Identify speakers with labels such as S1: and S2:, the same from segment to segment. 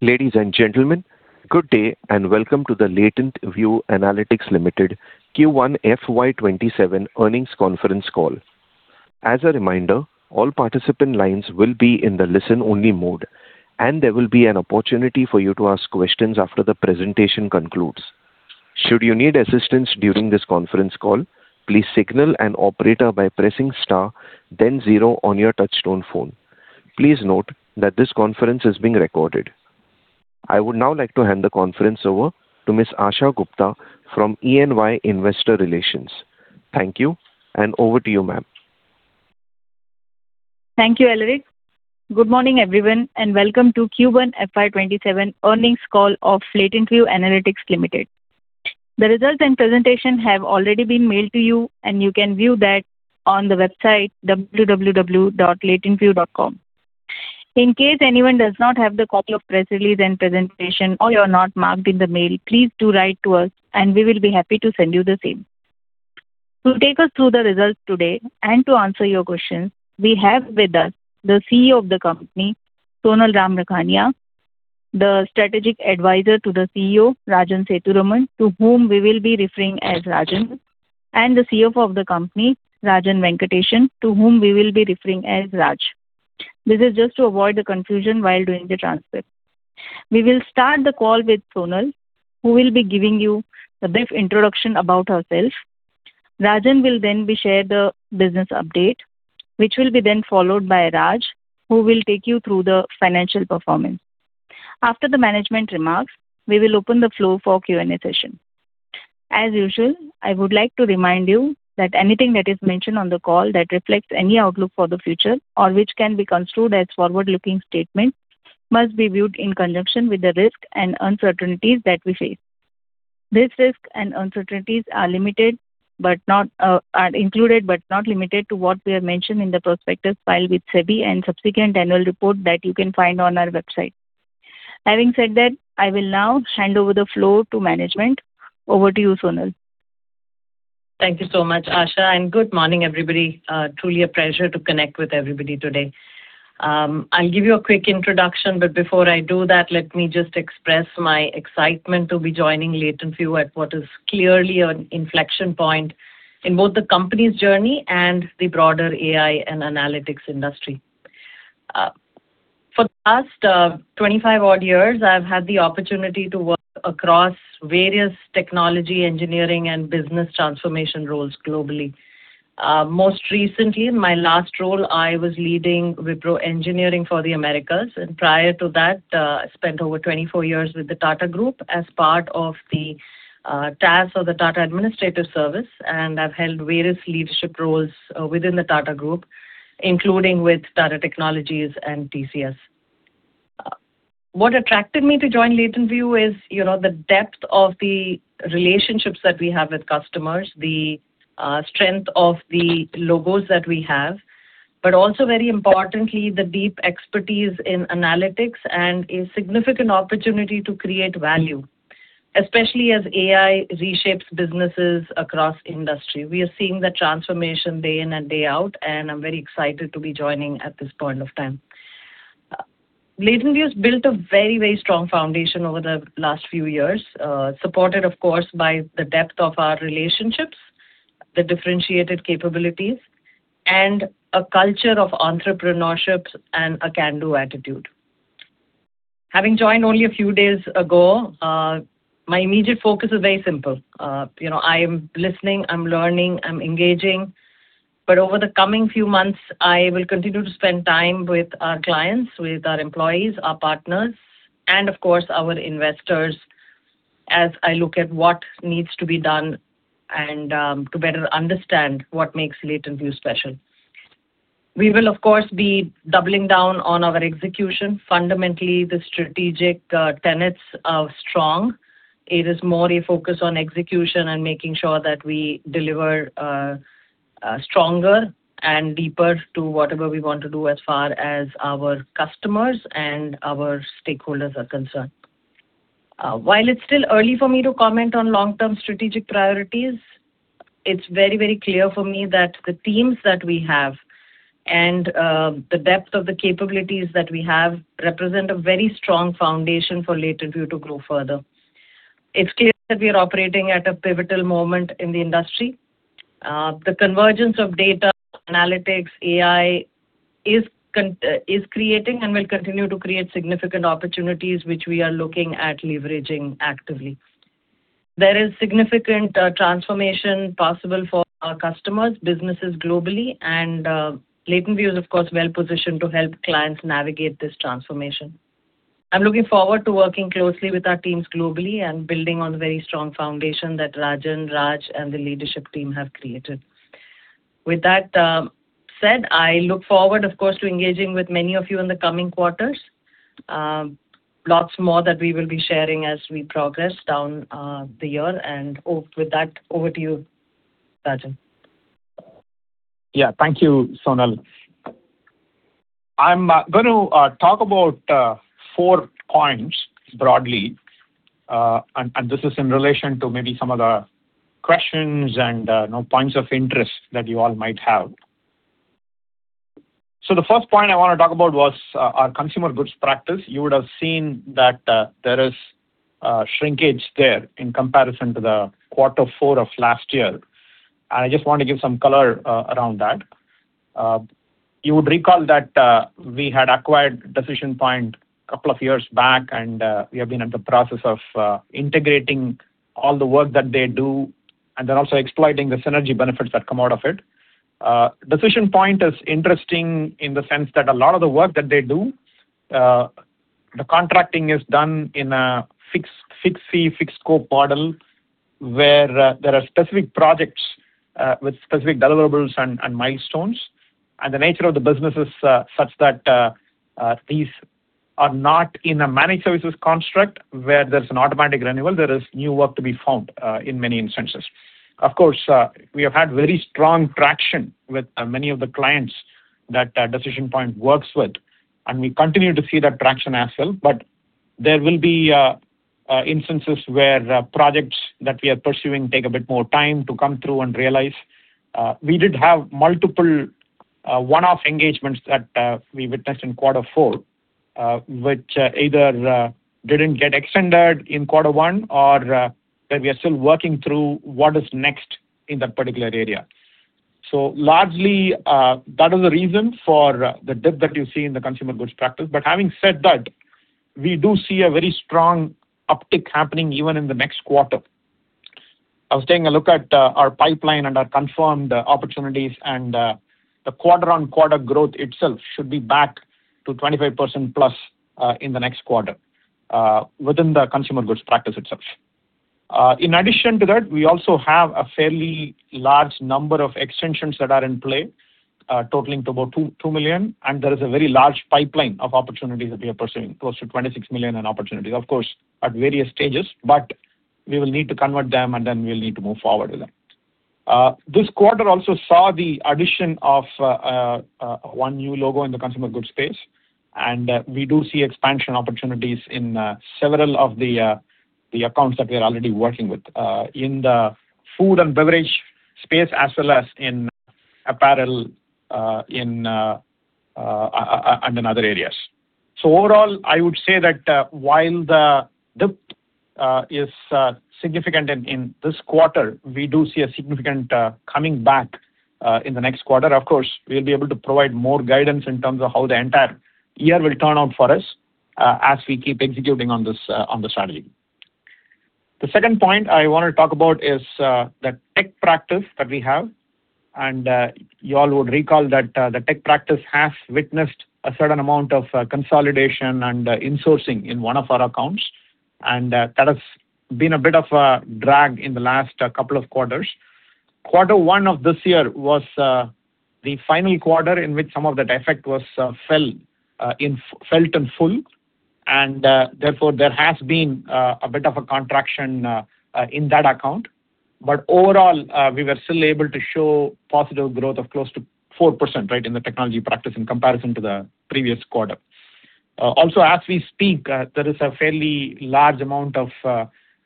S1: Ladies and gentlemen, good day and welcome to the LatentView Analytics Limited Q1 FY 2027 earnings conference call. As a reminder, all participant lines will be in the listen-only mode, there will be an opportunity for you to ask questions after the presentation concludes. Should you need assistance during this conference call, please signal an operator by pressing star then zero on your touch-tone phone. Please note that this conference is being recorded. I would now like to hand the conference over to Ms. Asha Gupta from EY Investor Relations. Thank you, and over to you, ma'am.
S2: Thank you, Ellerick. Good morning, everyone, welcome to Q1 FY 2027 earnings call of LatentView Analytics Limited. The results and presentation have already been mailed to you can view that on the website www.latentview.com. In case anyone does not have the copy of press release and presentation or you're not marked in the mail, please do write to us and we will be happy to send you the same. To take us through the results today and to answer your questions, we have with us the CEO of the company, Sonal Ramrakhiani, the Strategic Advisor to the CEO, Rajan Sethuraman, to whom we will be referring as Rajan, and the CFO of the company, Rajan Venkatesan, to whom we will be referring as Raj. This is just to avoid the confusion while doing the transcript. We will start the call with Sonal, who will be giving you a brief introduction about herself. Rajan will share the business update, which will be followed by Raj, who will take you through the financial performance. After the management remarks, we will open the floor for Q and A session. As usual, I would like to remind you that anything that is mentioned on the call that reflects any outlook for the future or which can be construed as forward-looking statement must be viewed in conjunction with the risk and uncertainties that we face. These risks and uncertainties are included, not limited to what we have mentioned in the prospectus filed with SEBI and subsequent annual report that you can find on our website. Having said that, I will now hand over the floor to management. Over to you, Sonal.
S3: Thank you so much, Asha, good morning, everybody. Truly a pleasure to connect with everybody today. I'll give you a quick introduction, before I do that, let me just express my excitement to be joining LatentView at what is clearly an inflection point in both the company's journey and the broader AI and analytics industry. For the last 25 odd years, I've had the opportunity to work across various technology, engineering, and business transformation roles globally. Most recently, in my last role, I was leading Wipro Engineering for the Americas. Prior to that, I spent over 24 years with the Tata Group as part of the TAS or the Tata Administrative Service, I've held various leadership roles within the Tata Group, including with Tata Technologies and TCS. What attracted me to join LatentView is the depth of the relationships that we have with customers, the strength of the logos that we have, also very importantly, the deep expertise in analytics and a significant opportunity to create value, especially as AI reshapes businesses across industry. We are seeing the transformation day in and day out, and I'm very excited to be joining at this point of time. LatentView has built a very strong foundation over the last few years, supported, of course, by the depth of our relationships, the differentiated capabilities, and a culture of entrepreneurship and a can-do attitude. Having joined only a few days ago, my immediate focus is very simple. I'm listening, I'm learning, I'm engaging. Over the coming few months, I will continue to spend time with our clients, with our employees, our partners, and of course, our investors as I look at what needs to be done and to better understand what makes LatentView special. We will, of course, be doubling down on our execution. Fundamentally, the strategic tenets are strong. It is more a focus on execution and making sure that we deliver stronger and deeper to whatever we want to do as far as our customers and our stakeholders are concerned. While it's still early for me to comment on long-term strategic priorities, it's very clear for me that the teams that we have and the depth of the capabilities that we have represent a very strong foundation for LatentView to grow further. It's clear that we are operating at a pivotal moment in the industry. The convergence of data, analytics, AI is creating and will continue to create significant opportunities which we are looking at leveraging actively. There is significant transformation possible for our customers, businesses globally, and LatentView is, of course, well-positioned to help clients navigate this transformation. I'm looking forward to working closely with our teams globally and building on the very strong foundation that Rajan, Raj, and the leadership team have created. With that said, I look forward, of course, to engaging with many of you in the coming quarters. Lots more that we will be sharing as we progress down the year. With that, over to you, Rajan.
S4: Thank you, Sonal. I'm going to talk about four points broadly. This is in relation to maybe some of the questions and points of interest that you all might have. The first point I want to talk about was our consumer goods practice. You would have seen that there is shrinkage there in comparison to the quarter four of last year. I just want to give some color around that. You would recall that we had acquired Decision Point a couple of years back, and we have been in the process of integrating all the work that they do and then also exploiting the synergy benefits that come out of it. Decision Point is interesting in the sense that a lot of the work that they do, the contracting is done in a fixed fee, fixed scope model, where there are specific projects with specific deliverables and milestones. The nature of the business is such that these are not in a managed services construct where there's an automatic renewal. There is new work to be found in many instances. Of course, we have had very strong traction with many of the clients that Decision Point works with, and we continue to see that traction as well. There will be instances where projects that we are pursuing take a bit more time to come through and realize. We did have multiple one-off engagements that we witnessed in quarter four, which either didn't get extended in quarter one or that we are still working through what is next in that particular area. Largely, that is the reason for the dip that you see in the consumer goods practice. Having said that, we do see a very strong uptick happening even in the next quarter. I was taking a look at our pipeline and our confirmed opportunities, the quarter-on-quarter growth itself should be back to 25%+ in the next quarter within the consumer goods practice itself. In addition to that, we also have a fairly large number of extensions that are in play, totaling to about $2 million. There is a very large pipeline of opportunities that we are pursuing, close to $26 million in opportunities. Of course, at various stages, but we will need to convert them, and then we'll need to move forward with them. This quarter also saw the addition of one new logo in the consumer goods space, and we do see expansion opportunities in several of the accounts that we are already working with in the food and beverage space, as well as in apparel and in other areas. Overall, I would say that while the dip is significant in this quarter, we do see a significant coming back in the next quarter. Of course, we'll be able to provide more guidance in terms of how the entire year will turn out for us as we keep executing on the strategy. The second point I want to talk about is the tech practice that we have. You all would recall that the tech practice has witnessed a certain amount of consolidation and insourcing in one of our accounts, and that has been a bit of a drag in the last couple of quarters. Quarter one of this year was the final quarter in which some of that effect was felt in full, therefore, there has been a bit of a contraction in that account. Overall, we were still able to show positive growth of close to 4% in the technology practice in comparison to the previous quarter. As we speak, there is a fairly large amount of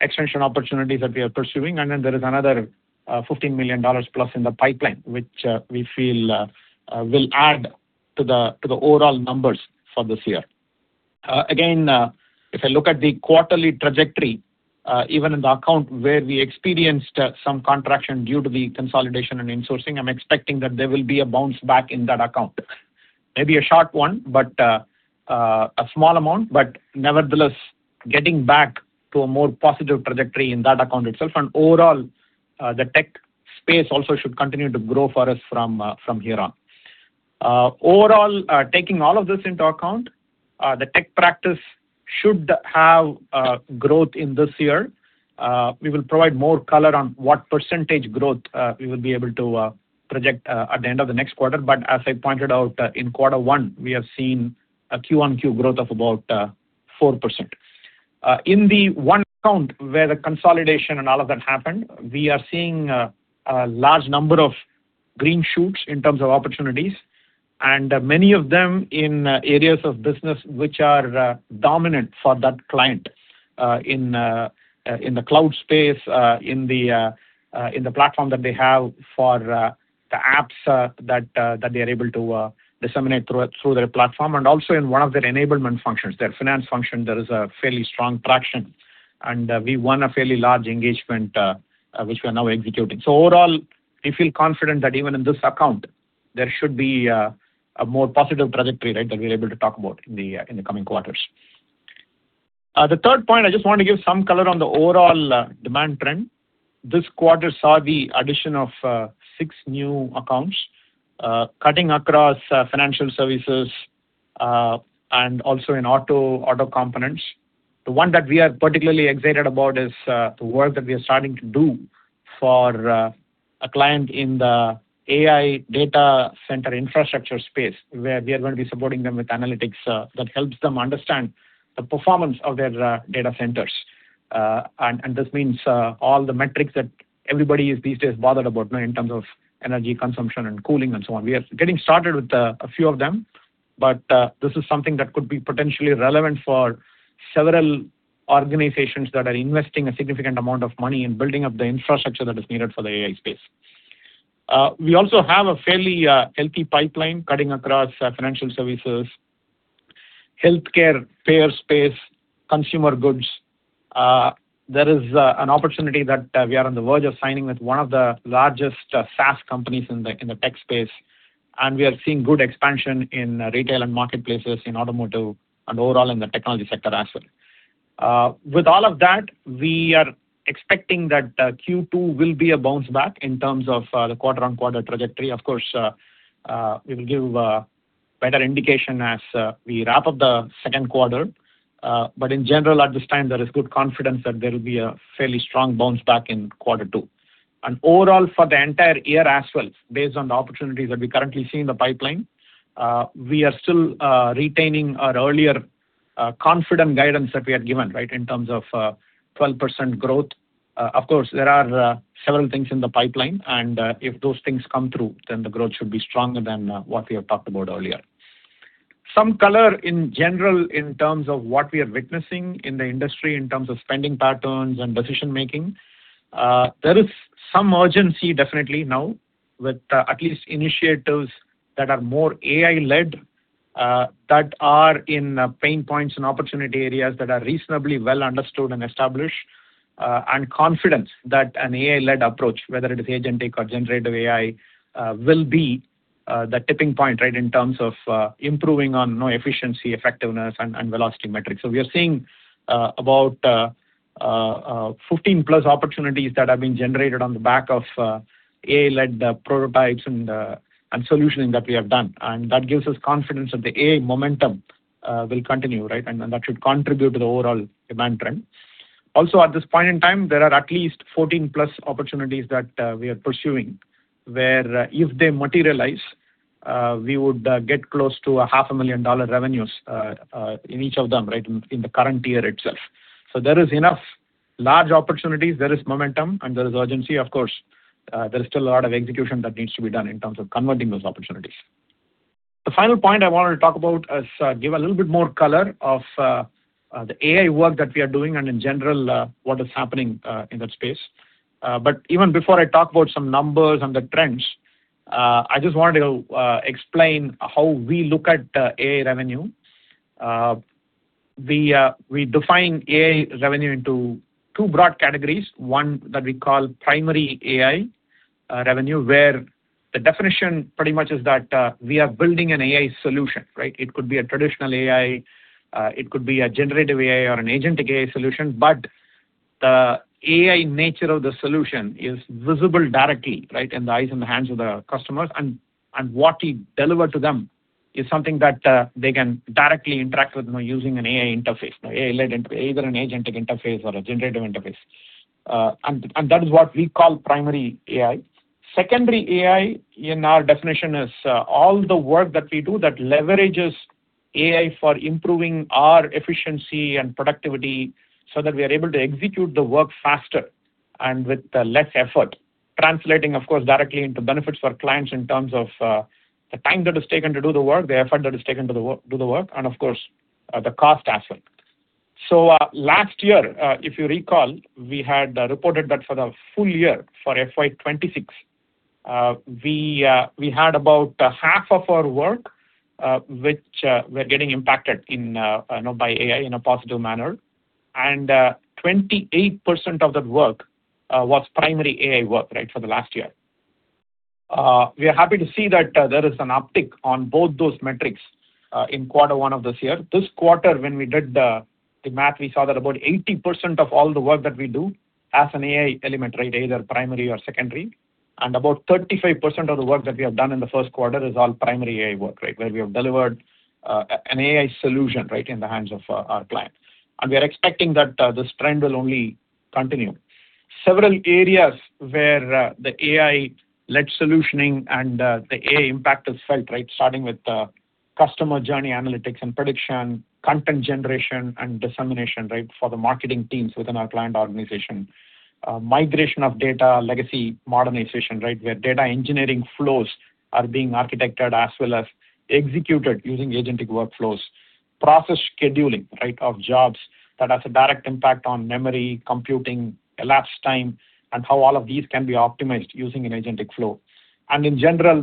S4: extension opportunities that we are pursuing. There is another $15 million-plus in the pipeline, which we feel will add to the overall numbers for this year. If I look at the quarterly trajectory, even in the account where we experienced some contraction due to the consolidation and insourcing, I'm expecting that there will be a bounce back in that account. Maybe a short one, but a small amount. Nevertheless, getting back to a more positive trajectory in that account itself. Overall, the tech space also should continue to grow for us from here on. Overall, taking all of this into account, the tech practice should have growth in this year. We will provide more color on what percentage growth we will be able to project at the end of the next quarter. As I pointed out in quarter one, we have seen a Q1/Q growth of about 4%. In the one account where the consolidation and all of that happened, we are seeing a large number of green shoots in terms of opportunities. Many of them in areas of business which are dominant for that client, in the cloud space, in the platform that they have for the apps that they're able to disseminate through their platform. Also in one of their enablement functions, their finance function, there is a fairly strong traction, and we won a fairly large engagement, which we are now executing. Overall, we feel confident that even in this account, there should be a more positive trajectory, right, that we're able to talk about in the coming quarters. The third point, I just want to give some color on the overall demand trend. This quarter saw the addition of six new accounts, cutting across financial services, and also in auto components. The one that we are particularly excited about is the work that we are starting to do for a client in the AI data center infrastructure space, where we are going to be supporting them with analytics that helps them understand the performance of their data centers. This means all the metrics that everybody is these days bothered about now in terms of energy consumption and cooling and so on. We are getting started with a few of them. This is something that could be potentially relevant for several organizations that are investing a significant amount of money in building up the infrastructure that is needed for the AI space. We also have a fairly healthy pipeline cutting across financial services, healthcare payer space, consumer goods. There is an opportunity that we are on the verge of signing with one of the largest SaaS companies in the tech space, and we are seeing good expansion in retail and marketplaces, in automotive, and overall in the technology sector as well. With all of that, we are expecting that Q2 will be a bounce back in terms of the quarter-on-quarter trajectory. Of course, we will give a better indication as we wrap up the second quarter. In general, at this time, there is good confidence that there will be a fairly strong bounce back in quarter two. Overall for the entire year as well, based on the opportunities that we currently see in the pipeline, we are still retaining our earlier confident guidance that we had given, right, in terms of 12% growth. Of course, there are several things in the pipeline, and if those things come through, then the growth should be stronger than what we have talked about earlier. Some color in general in terms of what we are witnessing in the industry in terms of spending patterns and decision-making. There is some urgency definitely now with at least initiatives that are more AI-led, that are in pain points and opportunity areas that are reasonably well understood and established, and confidence that an AI-led approach, whether it is agentic or generative AI, will be the tipping point, right, in terms of improving on efficiency, effectiveness, and velocity metrics. We are seeing about 15+ opportunities that have been generated on the back of AI-led prototypes and solutioning that we have done. That gives us confidence that the AI momentum will continue, right? That should contribute to the overall demand trend. Also at this point in time, there are at least 14+ opportunities that we are pursuing, where if they materialize, we would get close to a $500,000 revenues in each of them, right, in the current year itself. There is enough large opportunities, there is momentum, and there is urgency. Of course, there is still a lot of execution that needs to be done in terms of converting those opportunities. The final point I wanted to talk about is give a little bit more color of the AI work that we are doing and in general, what is happening in that space. Even before I talk about some numbers and the trends, I just wanted to explain how we look at AI revenue. We define AI revenue into two broad categories, one that we call primary AI revenue, where the definition pretty much is that we are building an AI solution, right? It could be a traditional AI, it could be a generative AI or an agentic AI solution. The AI nature of the solution is visible directly, right, in the eyes and the hands of the customers. What we deliver to them is something that they can directly interact with using an AI interface, AI-led interface, either an agentic interface or a generative interface. That is what we call primary AI. Secondary AI in our definition is all the work that we do that leverages AI for improving our efficiency and productivity so that we are able to execute the work faster and with less effort. Translating, of course, directly into benefits for clients in terms of the time that is taken to do the work, the effort that is taken to do the work, and of course, the cost aspect. Last year, if you recall, we had reported that for the full-year for FY 2026, we had about half of our work which were getting impacted by AI in a positive manner. 28% of that work was primary AI work, right, for the last year. We are happy to see that there is an uptick on both those metrics in quarter one of this year. This quarter, when we did the math, we saw that about 80% of all the work that we do has an AI element, right, either primary or secondary. About 35% of the work that we have done in the first quarter is all primary AI work, right, where we have delivered an AI solution, right, in the hands of our client. We are expecting that this trend will only continue. Several areas where the AI-led solutioning and the AI impact is felt, right? Starting with customer journey analytics and prediction, content generation, and dissemination, right, for the marketing teams within our client organization. Migration of data, legacy modernization, right, where data engineering flows are being architected as well as executed using agentic workflows. Process scheduling, right, of jobs that has a direct impact on memory, computing, elapsed time, and how all of these can be optimized using an agentic flow. In general,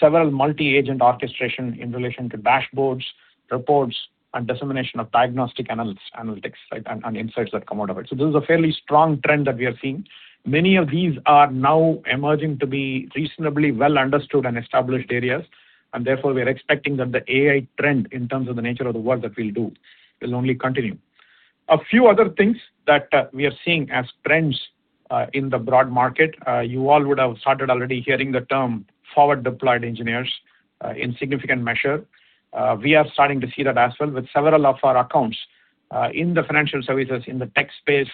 S4: several multi-agent orchestration in relation to dashboards, reports, and dissemination of diagnostic analytics, right, and insights that come out of it. This is a fairly strong trend that we are seeing. Many of these are now emerging to be reasonably well understood and established areas, therefore we are expecting that the AI trend in terms of the nature of the work that we'll do will only continue. A few other things that we are seeing as trends in the broad market. You all would have started already hearing the term Forward Deployed Engineers in significant measure. We are starting to see that as well with several of our accounts. In the financial services, in the tech space,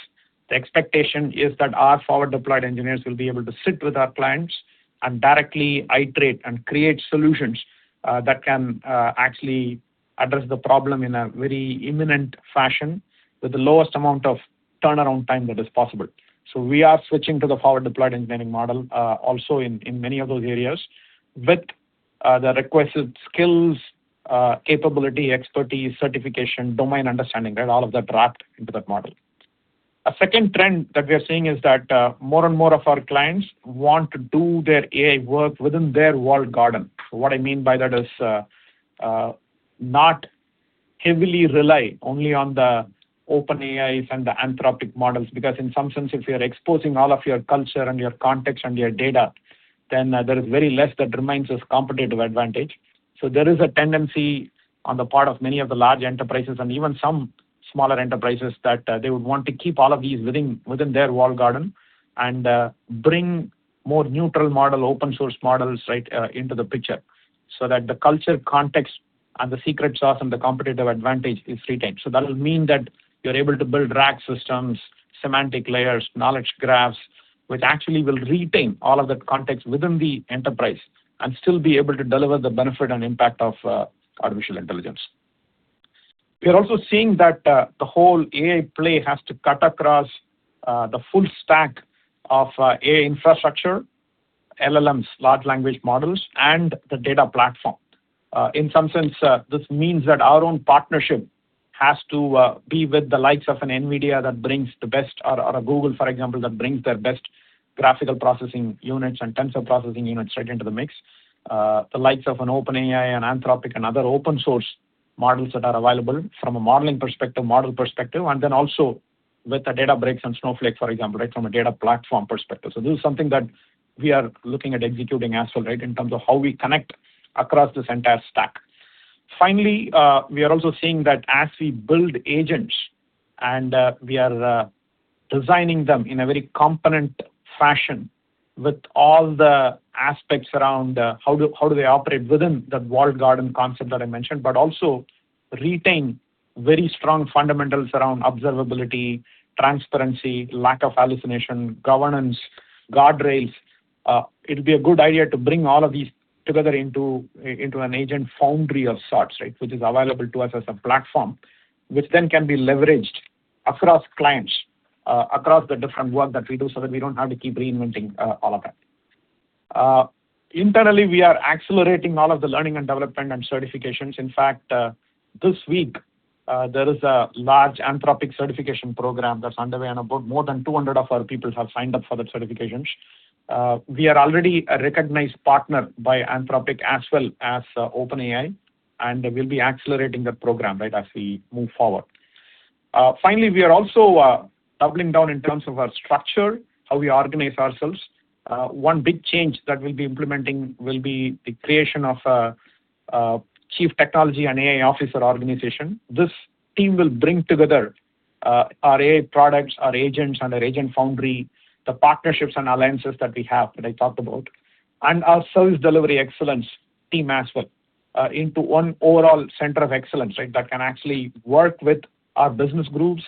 S4: the expectation is that our Forward Deployed Engineers will be able to sit with our clients and directly iterate and create solutions that can actually address the problem in a very imminent fashion with the lowest amount of turnaround time that is possible. We are switching to the Forward Deployed Engineering model also in many of those areas with the requested skills, capability, expertise, certification, domain understanding, all of that wrapped into that model. A second trend that we are seeing is that more and more of our clients want to do their AI work within their walled garden. What I mean by that is, not heavily rely only on the OpenAI and the Anthropic models. In some sense, if you're exposing all of your culture and your context and your data, then there is very less that remains as competitive advantage. There is a tendency on the part of many of the large enterprises, and even some smaller enterprises, that they would want to keep all of these within their walled garden and bring more neutral model, open source models right into the picture, so that the culture context and the secret sauce and the competitive advantage is retained. That'll mean that you're able to build RAG systems, semantic layers, knowledge graphs, which actually will retain all of that context within the enterprise and still be able to deliver the benefit and impact of artificial intelligence. We are also seeing that the whole AI play has to cut across the full stack of AI infrastructure, LLMs, large language models, and the data platform. In some sense, this means that our own partnership has to be with the likes of an NVIDIA that brings the best, or a Google, for example, that brings their best graphical processing units and tensor processing units right into the mix. The likes of an OpenAI and Anthropic and other open source models that are available from a modeling perspective, model perspective, and then also with the Databricks and Snowflake, for example, from a data platform perspective. This is something that we are looking at executing as well, in terms of how we connect across this entire stack. Finally, we are also seeing that as we build agents, and we are designing them in a very component fashion with all the aspects around how do they operate within that walled garden concept that I mentioned, but also retain very strong fundamentals around observability, transparency, lack of hallucination, governance, guardrails. It'll be a good idea to bring all of these together into an agent foundry of sorts. Which is available to us as a platform, which then can be leveraged across clients, across the different work that we do so that we don't have to keep reinventing all of that. Internally, we are accelerating all of the learning and development and certifications. In fact, this week, there is a large Anthropic certification program that's underway, and about more than 200 of our people have signed up for that certification. We are already a recognized partner by Anthropic as well as OpenAI, and we'll be accelerating that program as we move forward. Finally, we are also doubling down in terms of our structure, how we organize ourselves. One big change that we'll be implementing will be the creation of a Chief Technology and AI Officer organization. This team will bring together our AI products, our agents and our agent foundry, the partnerships and alliances that we have that I talked about, and our sales delivery excellence team as well, into one overall center of excellence that can actually work with our business groups.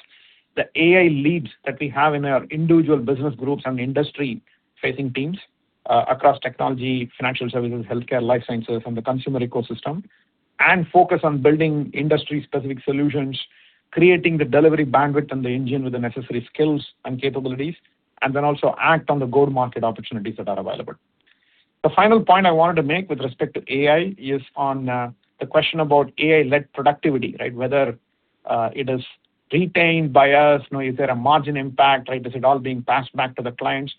S4: The AI leads that we have in our individual business groups and industry-facing teams, across technology, financial services, healthcare, life sciences, and the consumer ecosystem, and focus on building industry-specific solutions, creating the delivery bandwidth and the engine with the necessary skills and capabilities, and then also act on the go-to-market opportunities that are available. The final point I wanted to make with respect to AI is on the question about AI-led productivity. Whether it is retained by us, is there a margin impact? Is it all being passed back to the clients?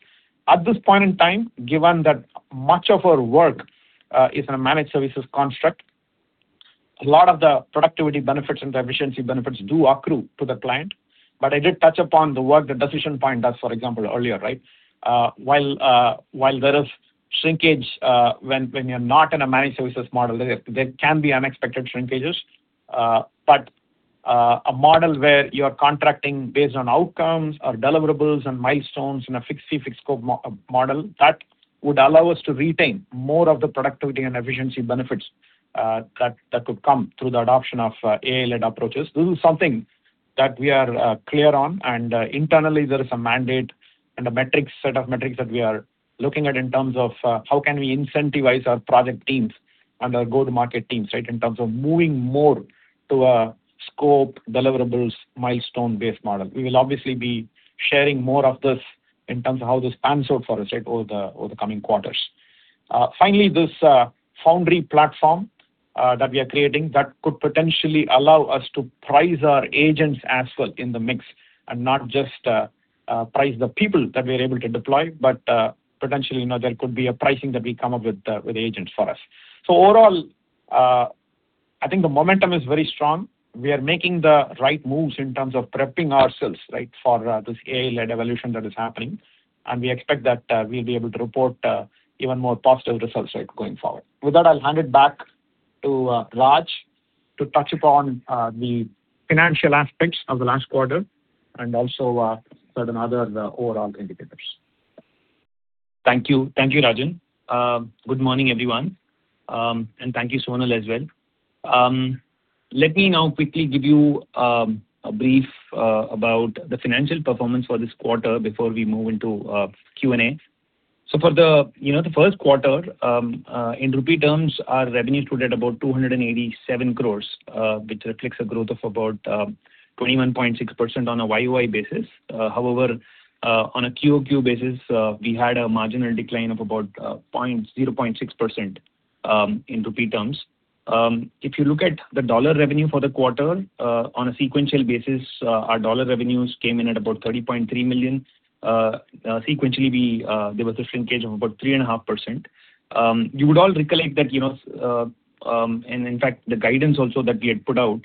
S4: At this point in time, given that much of our work is in a managed services construct, a lot of the productivity benefits and the efficiency benefits do accrue to the client. I did touch upon the work that Decision Point does, for example, earlier. While there is shrinkage when you're not in a managed services model, there can be unexpected shrinkages. A model where you're contracting based on outcomes or deliverables and milestones in a fixed fee, fixed scope model, that would allow us to retain more of the productivity and efficiency benefits that could come through the adoption of AI-led approaches. This is something that we are clear on, and internally there is a mandate and a set of metrics that we are looking at in terms of how can we incentivize our project teams and our go-to-market teams in terms of moving more to a scope, deliverables, milestone-based model. We will obviously be sharing more of this in terms of how this pans out for us over the coming quarters. Finally, this foundry platform that we are creating, that could potentially allow us to price our agents as well in the mix, and not just price the people that we are able to deploy. Potentially, there could be a pricing that we come up with agents for us. Overall, I think the momentum is very strong. We are making the right moves in terms of prepping ourselves for this AI-led evolution that is happening. We expect that we'll be able to report even more positive results going forward. With that, I'll hand it back to Raj to touch upon the financial aspects of the last quarter and also certain other overall indicators.
S5: Thank you. Thank you, Rajan. Good morning, everyone. Thank you, Sonal, as well. Let me now quickly give you a brief about the financial performance for this quarter before we move into Q and A. For the first quarter, in rupee terms, our revenue stood at about 287 crores, which reflects a growth of about 21.6% on a year-over-year basis. However, on a quarter-over-quarter basis, we had a marginal decline of about 0.6% in rupee terms. If you look at the dollar revenue for the quarter, on a sequential basis, our dollar revenues came in at about $30.3 million. Sequentially, there was a shrinkage of about 3.5%. You would all recollect that, and in fact, the guidance also that we had put out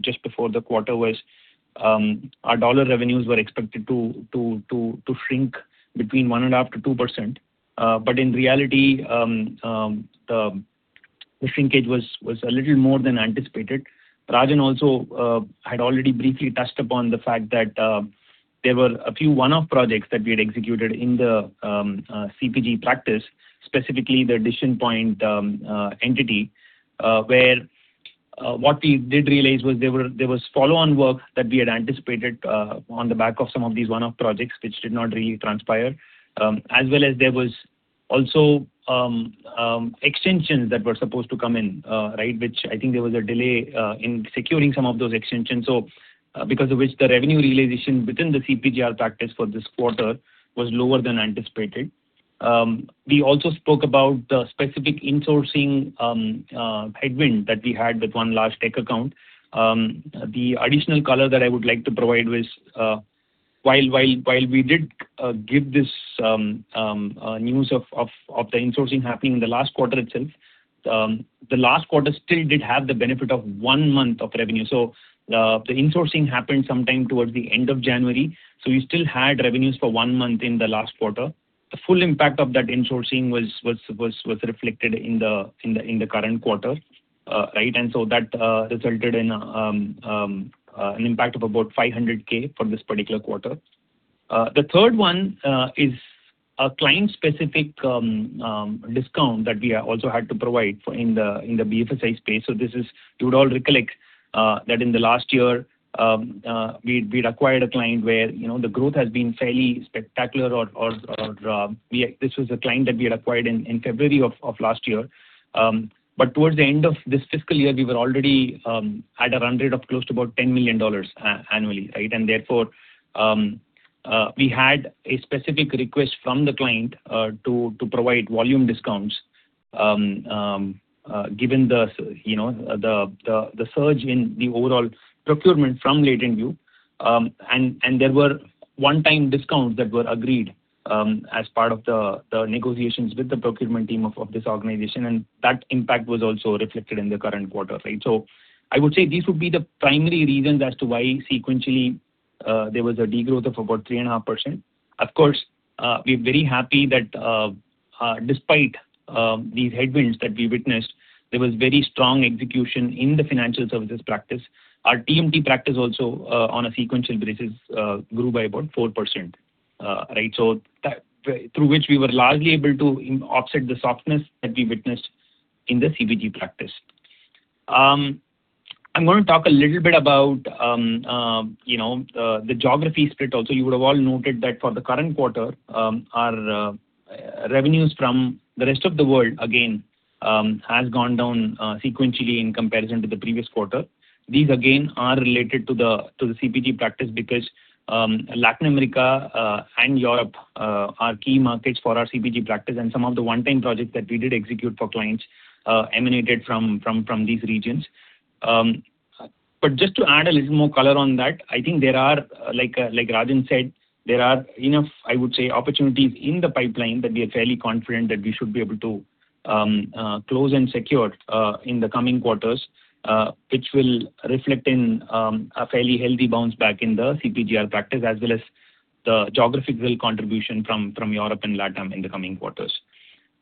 S5: just before the quarter was our dollar revenues were expected to shrink between 1.5%-2%, in reality, the shrinkage was a little more than anticipated. Rajan also had already briefly touched upon the fact that there were a few one-off projects that we had executed in the CPG practice, specifically the Decision Point entity where what we did realize was there was follow-on work that we had anticipated on the back of some of these one-off projects, which did not really transpire. As well as there was also extensions that were supposed to come in. Which I think there was a delay in securing some of those extensions. Because of which the revenue realization within the CPG practice for this quarter was lower than anticipated. We also spoke about the specific insourcing headwind that we had with one large tech account. The additional color that I would like to provide was while we did give this news of the insourcing happening in the last quarter itself. The last quarter still did have the benefit of one month of revenue. The insourcing happened sometime towards the end of January, we still had revenues for one month in the last quarter. The full impact of that insourcing was reflected in the current quarter. That resulted in an impact of about $500,000 for this particular quarter. The third one is a client-specific discount that we also had to provide in the BFSI space. You would all recollect that in the last year, we'd acquired a client where the growth has been fairly spectacular. This was a client that we had acquired in February of last year. Towards the end of this fiscal year, we were already at a run rate of close to about $10 million annually. Therefore, we had a specific request from the client to provide volume discounts given the surge in the overall procurement from LatentView. There were one-time discounts that were agreed as part of the negotiations with the procurement team of this organization. That impact was also reflected in the current quarter. I would say these would be the primary reasons as to why sequentially there was a degrowth of about 3.5%. Of course, we're very happy that despite these headwinds that we witnessed, there was very strong execution in the financial services practice. Our TMT practice also on a sequential basis grew by about 4%. Through which we were largely able to offset the softness that we witnessed in the CPG practice. I'm going to talk a little bit about the geography split also. You would have all noted that for the current quarter, our revenues from the rest of the world, again, has gone down sequentially in comparison to the previous quarter. These again, are related to the CPG practice because Latin America and Europe are key markets for our CPG practice and some of the one-time projects that we did execute for clients emanated from these regions. Just to add a little more color on that, I think there are, like Rajan said, there are enough, I would say, opportunities in the pipeline that we are fairly confident that we should be able to close and secure in the coming quarters. Which will reflect in a fairly healthy bounce back in the CPG practice as well as the geographical contribution from Europe and LatAm in the coming quarters.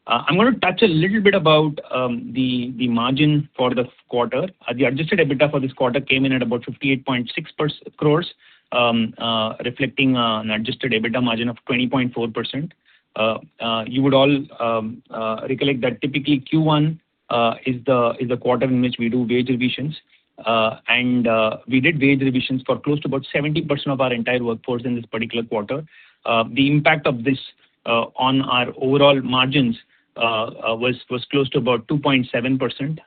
S5: I'm going to touch a little bit about the margin for this quarter. The adjusted EBITDA for this quarter came in at about 58.6 crores, reflecting an adjusted EBITDA margin of 20.4%. You would all recollect that typically Q1 is the quarter in which we do wage revisions. We did wage revisions for close to about 70% of our entire workforce in this particular quarter. The impact of this on our overall margins was close to about 2.7%.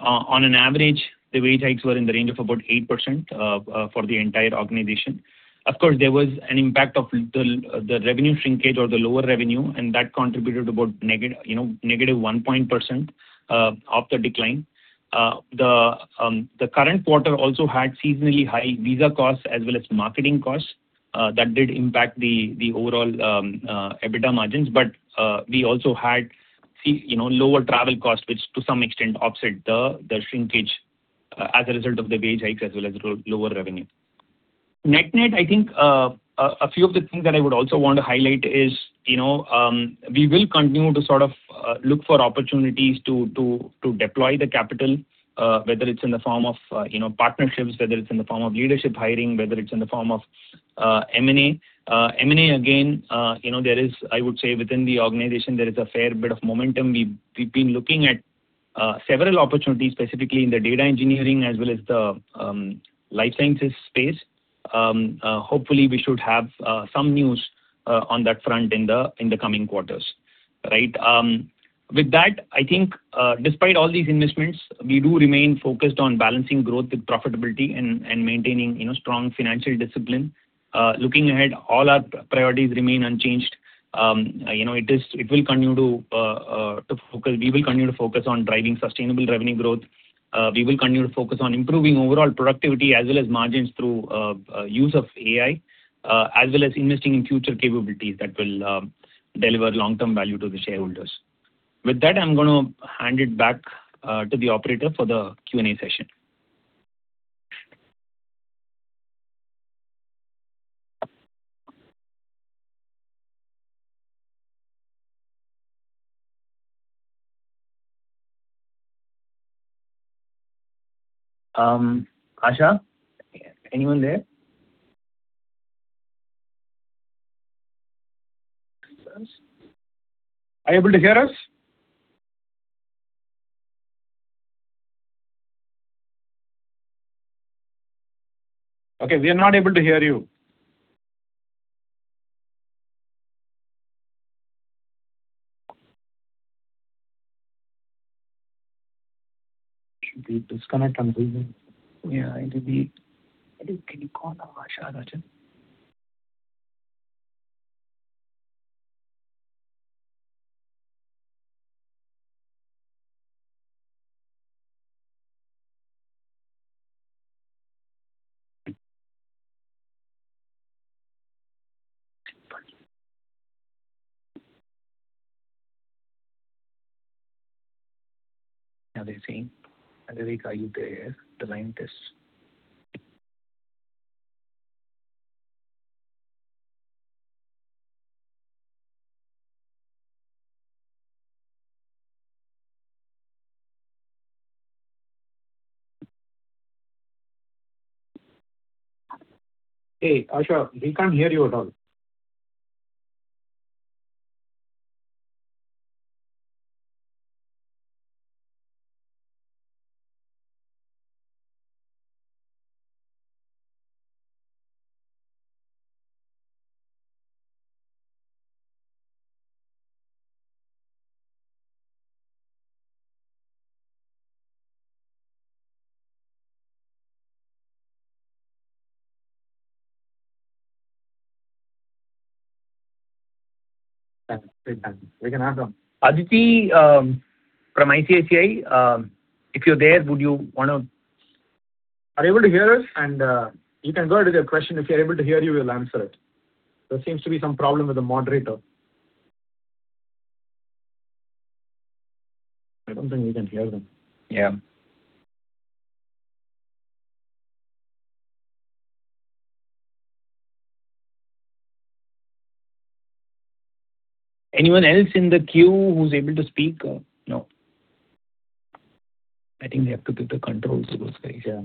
S5: On an average, the wage hikes were in the range of about 8% for the entire organization. Of course, there was an impact of the revenue shrinkage or the lower revenue, that contributed about negative 1% of the decline. The current quarter also had seasonally high visa costs as well as marketing costs. That did impact the overall EBITDA margins, but we also had lower travel costs, which to some extent offset the shrinkage as a result of the wage hikes as well as lower revenue. Net net, a few of the things that I would also want to highlight is we will continue to look for opportunities to deploy the capital. Whether it's in the form of partnerships, whether it's in the form of leadership hiring, whether it's in the form of M&A. M&A again there is within the organization a fair bit of momentum. We've been looking at several opportunities specifically in the data engineering as well as the life sciences space. Hopefully, we should have some news on that front in the coming quarters. With that, despite all these investments, we do remain focused on balancing growth with profitability and maintaining strong financial discipline. Looking ahead, all our priorities remain unchanged. We will continue to focus on driving sustainable revenue growth. We will continue to focus on improving overall productivity as well as margins through use of AI, as well as investing in future capabilities that will deliver long-term value to the shareholders. With that, I'm going to hand it back to the operator for the Q and A session. Asha? Anyone there?
S4: Are you able to hear us? We are not able to hear you.
S5: She disconnected maybe.
S4: It will be. Can you call her, Asha, Raj?
S5: They're saying, "Are you there to line test?"
S4: Hey, Asha, we can't hear you at all. We can ask them. Aditi from ICICI, if you're there, Are you able to hear us? You can go ahead with your question. If we're able to hear you, we'll answer it. There seems to be some problem with the moderator. I don't think we can hear them.
S5: Anyone else in the queue who's able to speak? No.
S4: I think we have to give the controls to those guys.
S5: Yeah.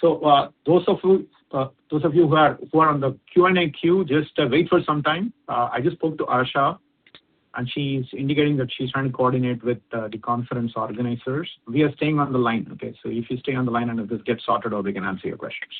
S4: They are muted, right? Those of you who are on the Q and A queue, just wait for some time. I just spoke to Asha, and she is indicating that she is trying to coordinate with the conference organizers. We are staying on the line. If you stay on the line and if this gets sorted out, we can answer your questions.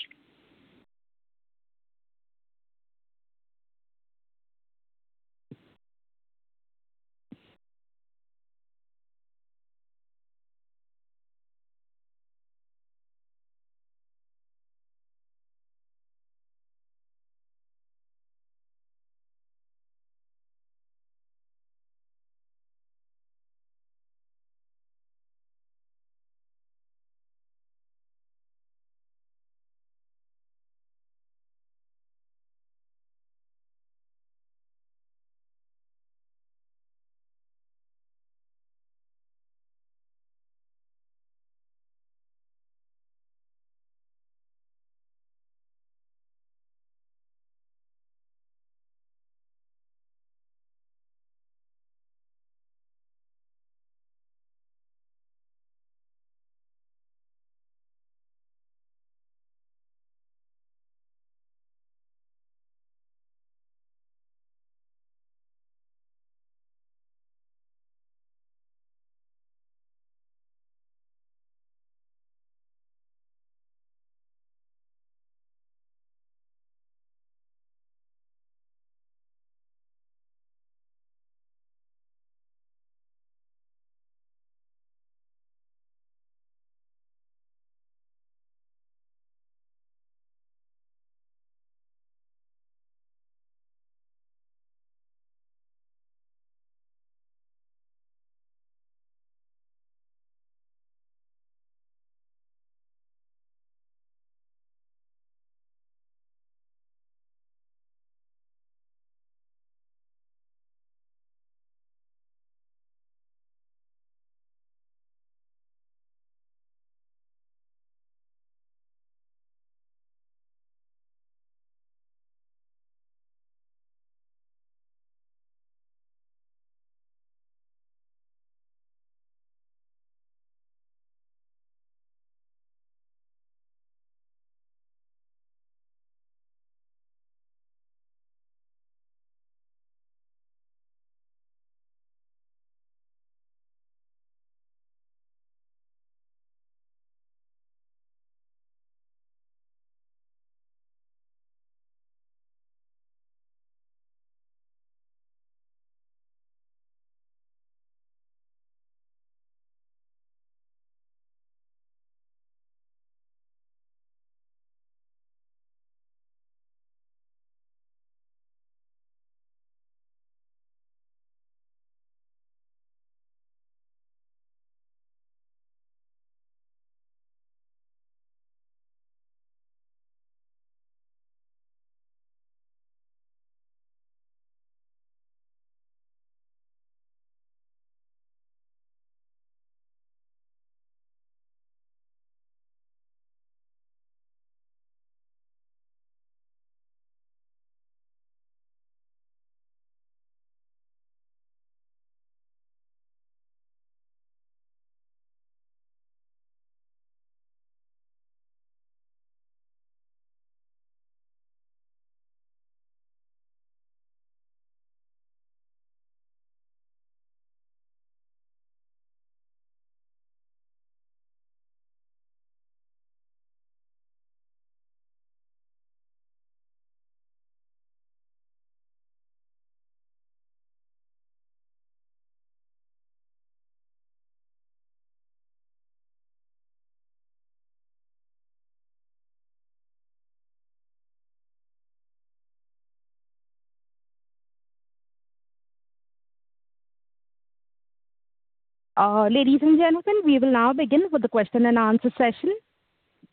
S1: Ladies and gentlemen, we will now begin with the question and answer session.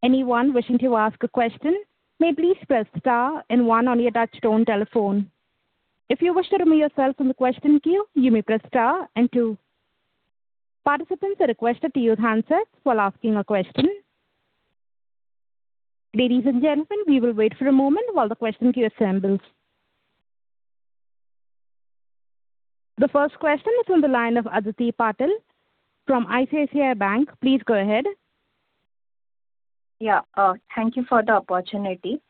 S1: Anyone wishing to ask a question may please press star and one on your touch-tone telephone. If you wish to remove yourself from the question queue, you may press star and two. Participants are requested to use handsets while asking a question. Ladies and gentlemen, we will wait for a moment while the question queue assembles. The first question is on the line of Aditi Patil from ICICI Bank. Please go ahead.
S6: Yeah. Thank you for the opportunity.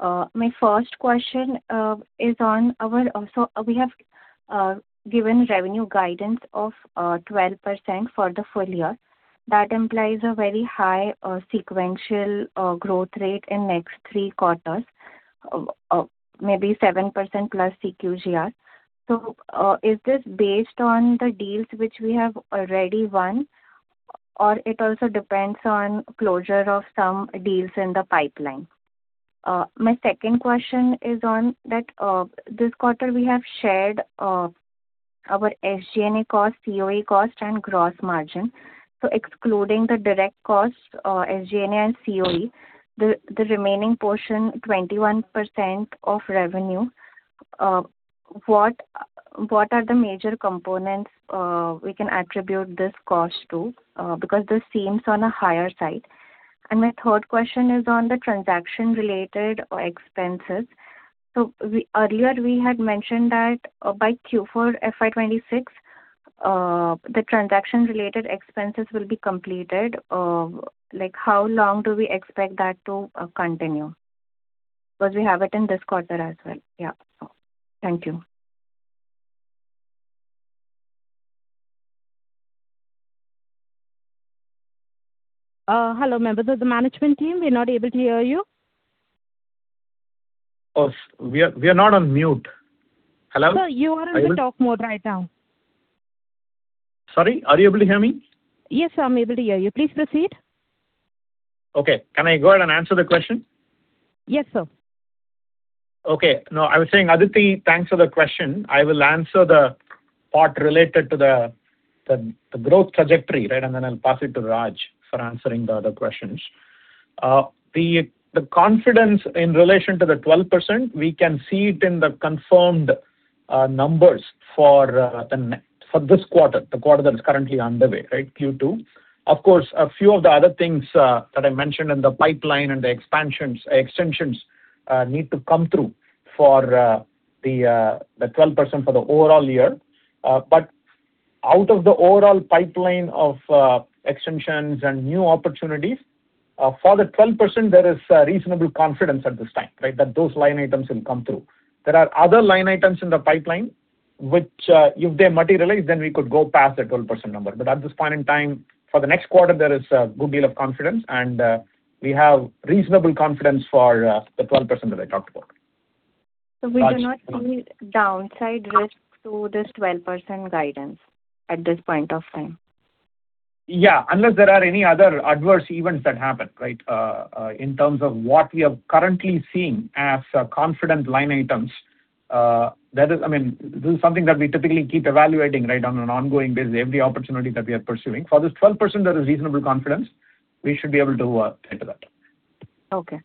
S6: My first question is on our We have given revenue guidance of 12% for the full-year. That implies a very high sequential growth rate in next three quarters, maybe 7%+ CQGR. Is this based on the deals which we have already won, or it also depends on closure of some deals in the pipeline? My second question is on that this quarter we have shared our SG&A cost, COE cost and gross margin. Excluding the direct cost, SG&A and COE, the remaining portion, 21% of revenue, what are the major components we can attribute this cost to? Because this seems on a higher side. My third question is on the transaction-related expenses. Earlier we had mentioned that by Q4 FY 2026, the transaction-related expenses will be completed. How long do we expect that to continue? We have it in this quarter as well. Yeah. Thank you.
S1: Hello, member of the management team, we are not able to hear you.
S4: We are not on mute. Hello?
S1: Sir, you are on the talk mode right now.
S4: Sorry, are you able to hear me?
S1: Yes, sir, I'm able to hear you. Please proceed.
S4: Okay. Can I go ahead and answer the question?
S1: Yes, sir.
S4: I was saying, Aditi, thanks for the question. I will answer the part related to the growth trajectory, right, and then I'll pass it to Raj for answering the other questions. The confidence in relation to the 12%, we can see it in the confirmed numbers for this quarter, the quarter that is currently underway, Q2. Of course, a few of the other things that I mentioned in the pipeline and the extensions need to come through for the 12% for the overall year. Out of the overall pipeline of extensions and new opportunities, for the 12%, there is reasonable confidence at this time, that those line items will come through. There are other line items in the pipeline, which, if they materialize, then we could go past the 12% number. At this point in time, for the next quarter, there is a good deal of confidence, and we have reasonable confidence for the 12% that I talked about. Raj.
S6: We do not see downside risk to this 12% guidance at this point of time?
S4: Yeah, unless there are any other adverse events that happen. In terms of what we are currently seeing as confident line items, this is something that we typically keep evaluating on an ongoing basis, every opportunity that we are pursuing. For this 12%, there is reasonable confidence we should be able to hit that.
S6: Okay.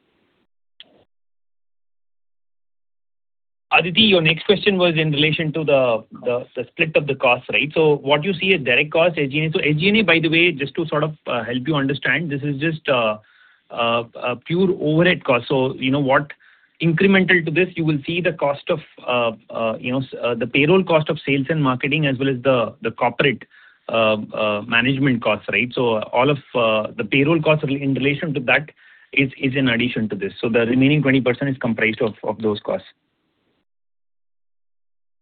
S5: Aditi, your next question was in relation to the split of the cost, right? What you see is direct cost, SG&A. SG&A, by the way, just to sort of help you understand, this is just a pure overhead cost. You know what, incremental to this, you will see the cost of the payroll cost of sales and marketing as well as the corporate management costs, right? All of the payroll cost in relation to that is in addition to this. The remaining 20% is comprised of those costs.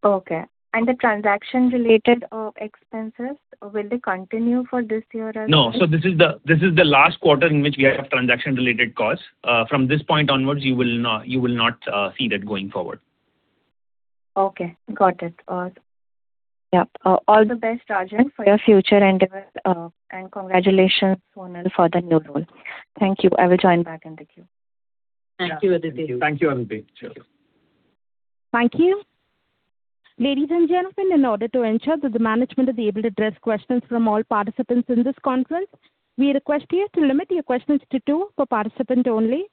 S6: Okay. The transaction related expenses, will they continue for this year as well?
S5: No. This is the last quarter in which we have transaction related costs. From this point onwards, you will not see that going forward.
S6: Okay. Got it. Yeah. All the best, Rajan, for your future endeavors, and congratulations, Sonal, for the new role. Thank you. I will join back in the queue.
S3: Thank you, Aditi.
S4: Thank you, Aditi. Cheers.
S1: Thank you. Ladies and gentlemen, in order to ensure that the management is able to address questions from all participants in this conference, we request you to limit your questions to two per participant only.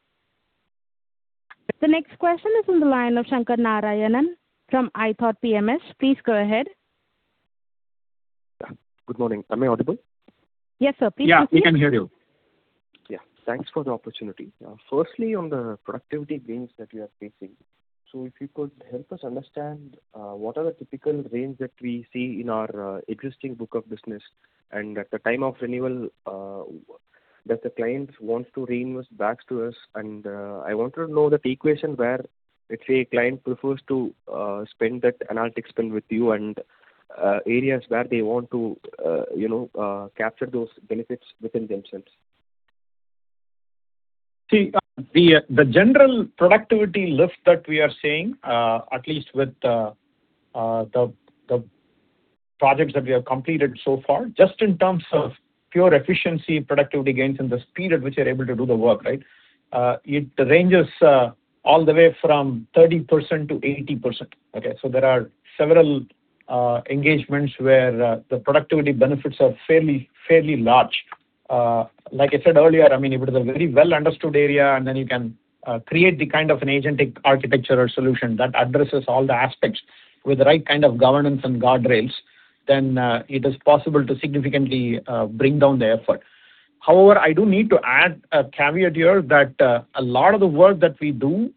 S1: The next question is on the line of Sankaranarayanan S from ithoughtPMS. Please go ahead.
S7: Yeah. Good morning. Am I audible?
S1: Yes, sir. Please proceed.
S4: Yeah, we can hear you.
S7: Yeah. Thanks for the opportunity. Firstly, on the productivity gains that you are facing. If you could help us understand, what are the typical gains that we see in our existing book of business and at the time of renewal, does the client want to renew backs to us? I want to know that equation where, let's say, a client prefers to spend that analytic spend with you and areas where they want to capture those benefits within themselves.
S4: See, the general productivity lift that we are seeing, at least with the projects that we have completed so far, just in terms of pure efficiency, productivity gains, and the speed at which you're able to do the work, right? It ranges all the way from 30%-80%. Okay. There are several engagements where the productivity benefits are fairly large. Like I said earlier, if it is a very well understood area, and then you can create the kind of an agentic architecture or solution that addresses all the aspects with the right kind of governance and guardrails, then it is possible to significantly bring down the effort. However, I do need to add a caveat here that a lot of the work that we do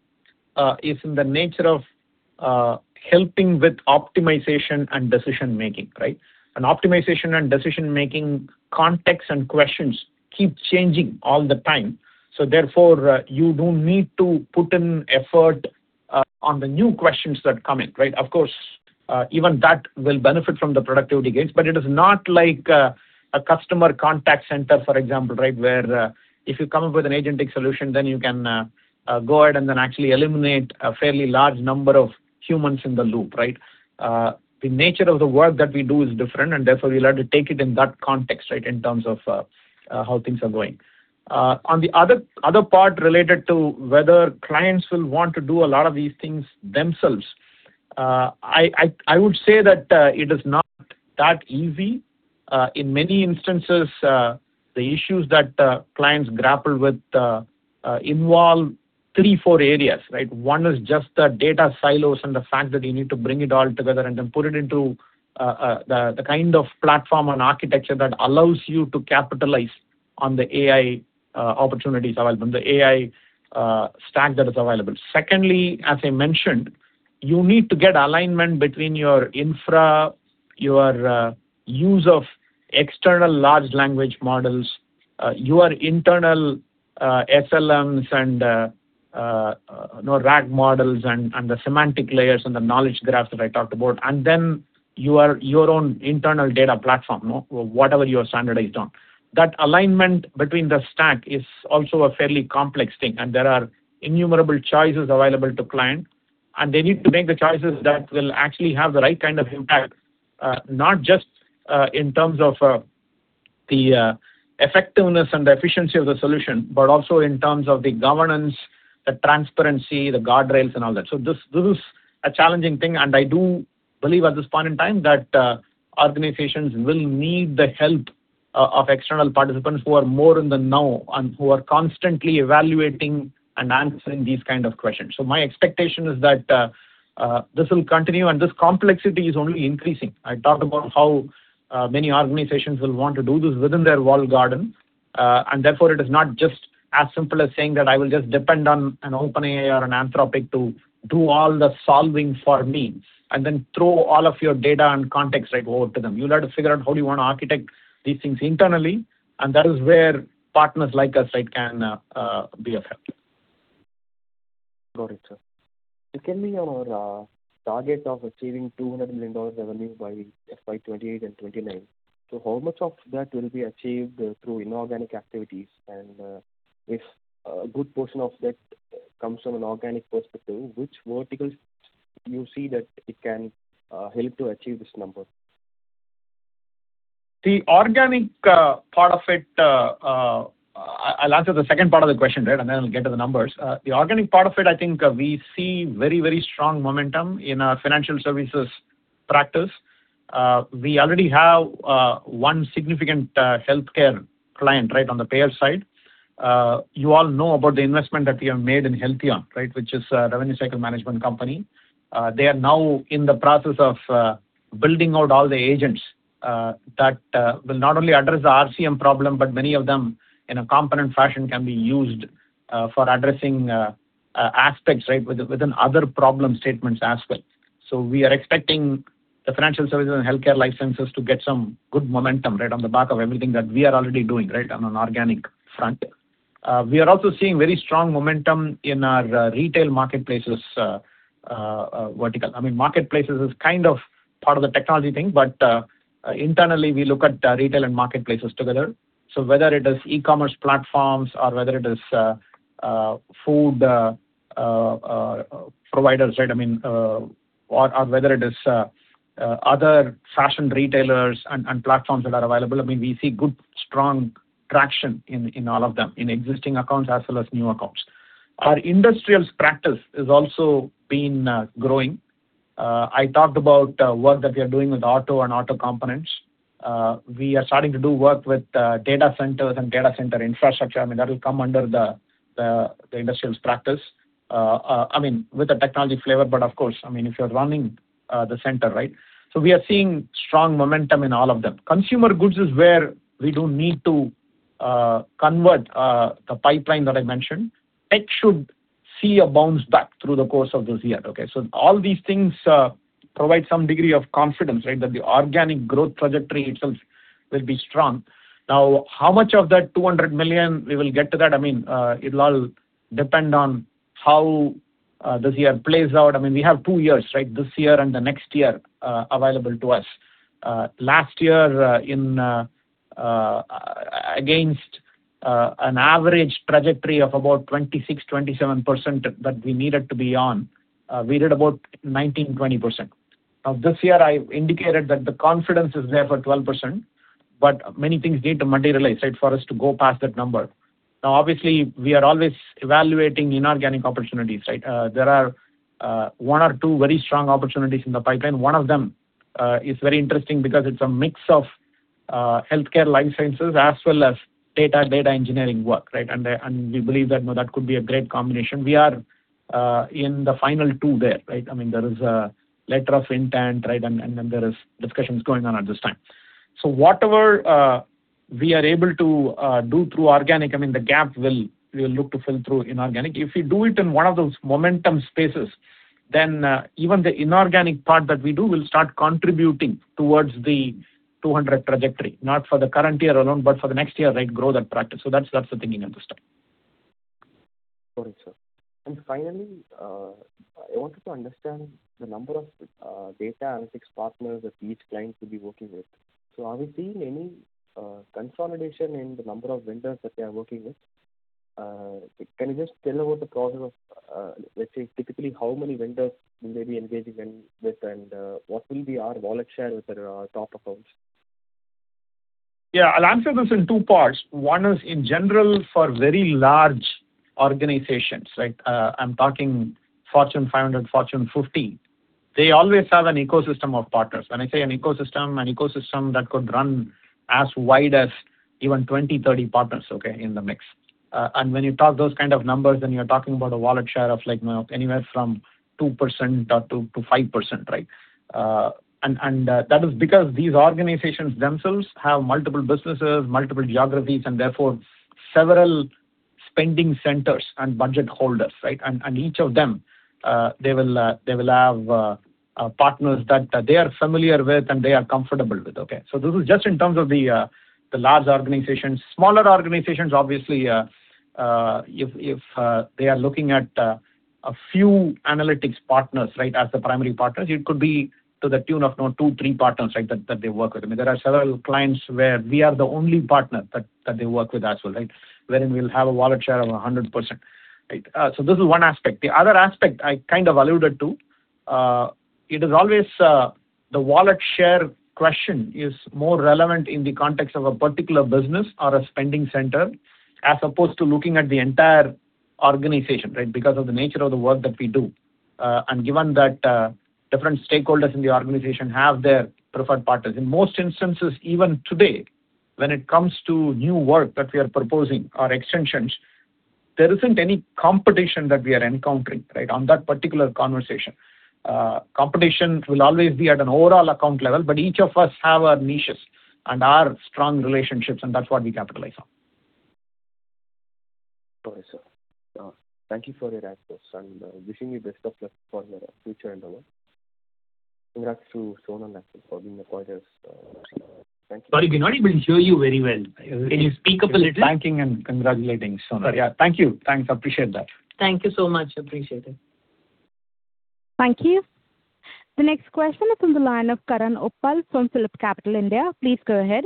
S4: is in the nature of helping with optimization and decision making, right? Optimization and decision making context and questions keep changing all the time. Therefore, you do need to put in effort on the new questions that come in, right? Of course, even that will benefit from the productivity gains, but it is not like a customer contact center, for example, right? Where if you come up with an agentic solution, you can go ahead and actually eliminate a fairly large number of humans in the loop, right? The nature of the work that we do is different, and therefore you will have to take it in that context, right, in terms of how things are going. On the other part related to whether clients will want to do a lot of these things themselves. I would say that it is not that easy. In many instances, the issues that clients grapple with involve three, four areas, right? One is just the data silos and the fact that you need to bring it all together and then put it into the kind of platform and architecture that allows you to capitalize on the AI opportunities available, the AI stack that is available. Secondly, as I mentioned, you need to get alignment between your infra, your use of external large language models, your internal SLMs and RAG models and the semantic layers and the knowledge graphs that I talked about, and then your own internal data platform, whatever you are standardized on. That alignment between the stack is also a fairly complex thing. There are innumerable choices available to client, and they need to make the choices that will actually have the right kind of impact, not just in terms of the effectiveness and the efficiency of the solution, but also in terms of the governance, the transparency, the guardrails and all that. This is a challenging thing, and I do believe at this point in time that organizations will need the help of external participants who are more in the know and who are constantly evaluating and answering these kind of questions. My expectation is that this will continue, and this complexity is only increasing. I talked about how many organizations will want to do this within their walled garden. Therefore, it is not just as simple as saying that I will just depend on an OpenAI or an Anthropic to do all the solving for me and then throw all of your data and context right over to them. You will have to figure out how you want to architect these things internally, and that is where partners like us can be of help.
S7: Got it, sir. You can be on our target of achieving $200 million revenue by FY 2028 and 2029. How much of that will be achieved through inorganic activities? If a good portion of that comes from an organic perspective, which verticals you see that it can help to achieve this number?
S4: I'll answer the second part of the question, right, and then I'll get to the numbers. The organic part of it, I think we see very, very strong momentum in our financial services practice. We already have one significant healthcare client on the payer side. You all know about the investment that we have made in Healtheon AI, which is a revenue cycle management company. They are now in the process of building out all the agents that will not only address the RCM problem, but many of them in a component fashion can be used for addressing aspects within other problem statements as well. We are expecting the financial services and healthcare licenses to get some good momentum on the back of everything that we are already doing on an organic front. We are also seeing very strong momentum in our retail marketplaces vertical. I mean, marketplaces is kind of part of the technology thing, but internally, we look at retail and marketplaces together. Whether it is e-commerce platforms or whether it is food providers. I mean, or whether it is other fashion retailers and platforms that are available, we see good, strong traction in all of them, in existing accounts as well as new accounts. Our industrials practice has also been growing. I talked about work that we are doing with auto and auto components. We are starting to do work with data centers and data center infrastructure. That will come under the industrials practice. I mean, with the technology flavor, but of course, if you're running the center. We are seeing strong momentum in all of them. Consumer goods is where we do need to convert the pipeline that I mentioned. It should see a bounce back through the course of this year. All these things provide some degree of confidence that the organic growth trajectory itself will be strong. Now, how much of that $200 million we will get to that, it'll all depend on how this year plays out. We have two years. This year and the next year available to us. Last year, against an average trajectory of about 26%-27% that we needed to be on, we did about 19%-20%. Now, this year, I indicated that the confidence is there for 12%, but many things need to materialize for us to go past that number. Now, obviously, we are always evaluating inorganic opportunities. There are one or two very strong opportunities in the pipeline. One of them is very interesting because it's a mix of healthcare licenses as well as data engineering work. We believe that could be a great combination. We are in the final two there. There is a letter of intent, there is discussions going on at this time. Whatever we are able to do through organic, the gap we'll look to fill through inorganic. If we do it in one of those momentum spaces, then even the inorganic part that we do will start contributing towards the $200 million trajectory. Not for the current year alone, but for the next year growth and practice. That's the thinking at this time.
S7: Got it, sir. Finally, I wanted to understand the number of data analytics partners that each client will be working with. Are we seeing any consolidation in the number of vendors that they are working with? Can you just tell about the process of, let's say typically, how many vendors will they be engaging with, and what will be our wallet share with our top accounts?
S4: Yeah, I'll answer this in two parts. One is in general for very large organizations. I'm talking Fortune 500, Fortune 50. They always have an ecosystem of partners. When I say an ecosystem, an ecosystem that could run as wide as even 20, 30 partners in the mix. When you talk those kind of numbers, then you're talking about a wallet share of anywhere from 2%-5%. That is because these organizations themselves have multiple businesses, multiple geographies, and therefore several spending centers and budget holders. Each of them, they will have partners that they are familiar with and they are comfortable with. This is just in terms of the large organizations. Smaller organizations, obviously, if they are looking at a few analytics partners as the primary partners, it could be to the tune of two, three partners that they work with. There are several clients where we are the only partner that they work with as well. Wherein we'll have a wallet share of 100%. This is one aspect. The other aspect I kind of alluded to. The wallet share question is more relevant in the context of a particular business or a spending center, as opposed to looking at the entire organization because of the nature of the work that we do. Given that different stakeholders in the organization have their preferred partners. In most instances, even today, when it comes to new work that we are proposing or extensions, there isn't any competition that we are encountering on that particular conversation. Competition will always be at an overall account level, but each of us have our niches and our strong relationships, and that's what we capitalize on.
S7: Got it, sir. Thank you for your answers. Wishing you best of luck for your future endeavors. Congrats to Sonal as well for being appointed as CEO. Thank you.
S4: Sorry, we're not able to hear you very well. Can you speak up a little?
S7: Thanking and congratulating Sonal.
S4: Sorry. Yeah. Thank you. Thanks. I appreciate that.
S3: Thank you so much. Appreciate it.
S1: Thank you. The next question is on the line of Karan Uppal from PhillipCapital India. Please go ahead.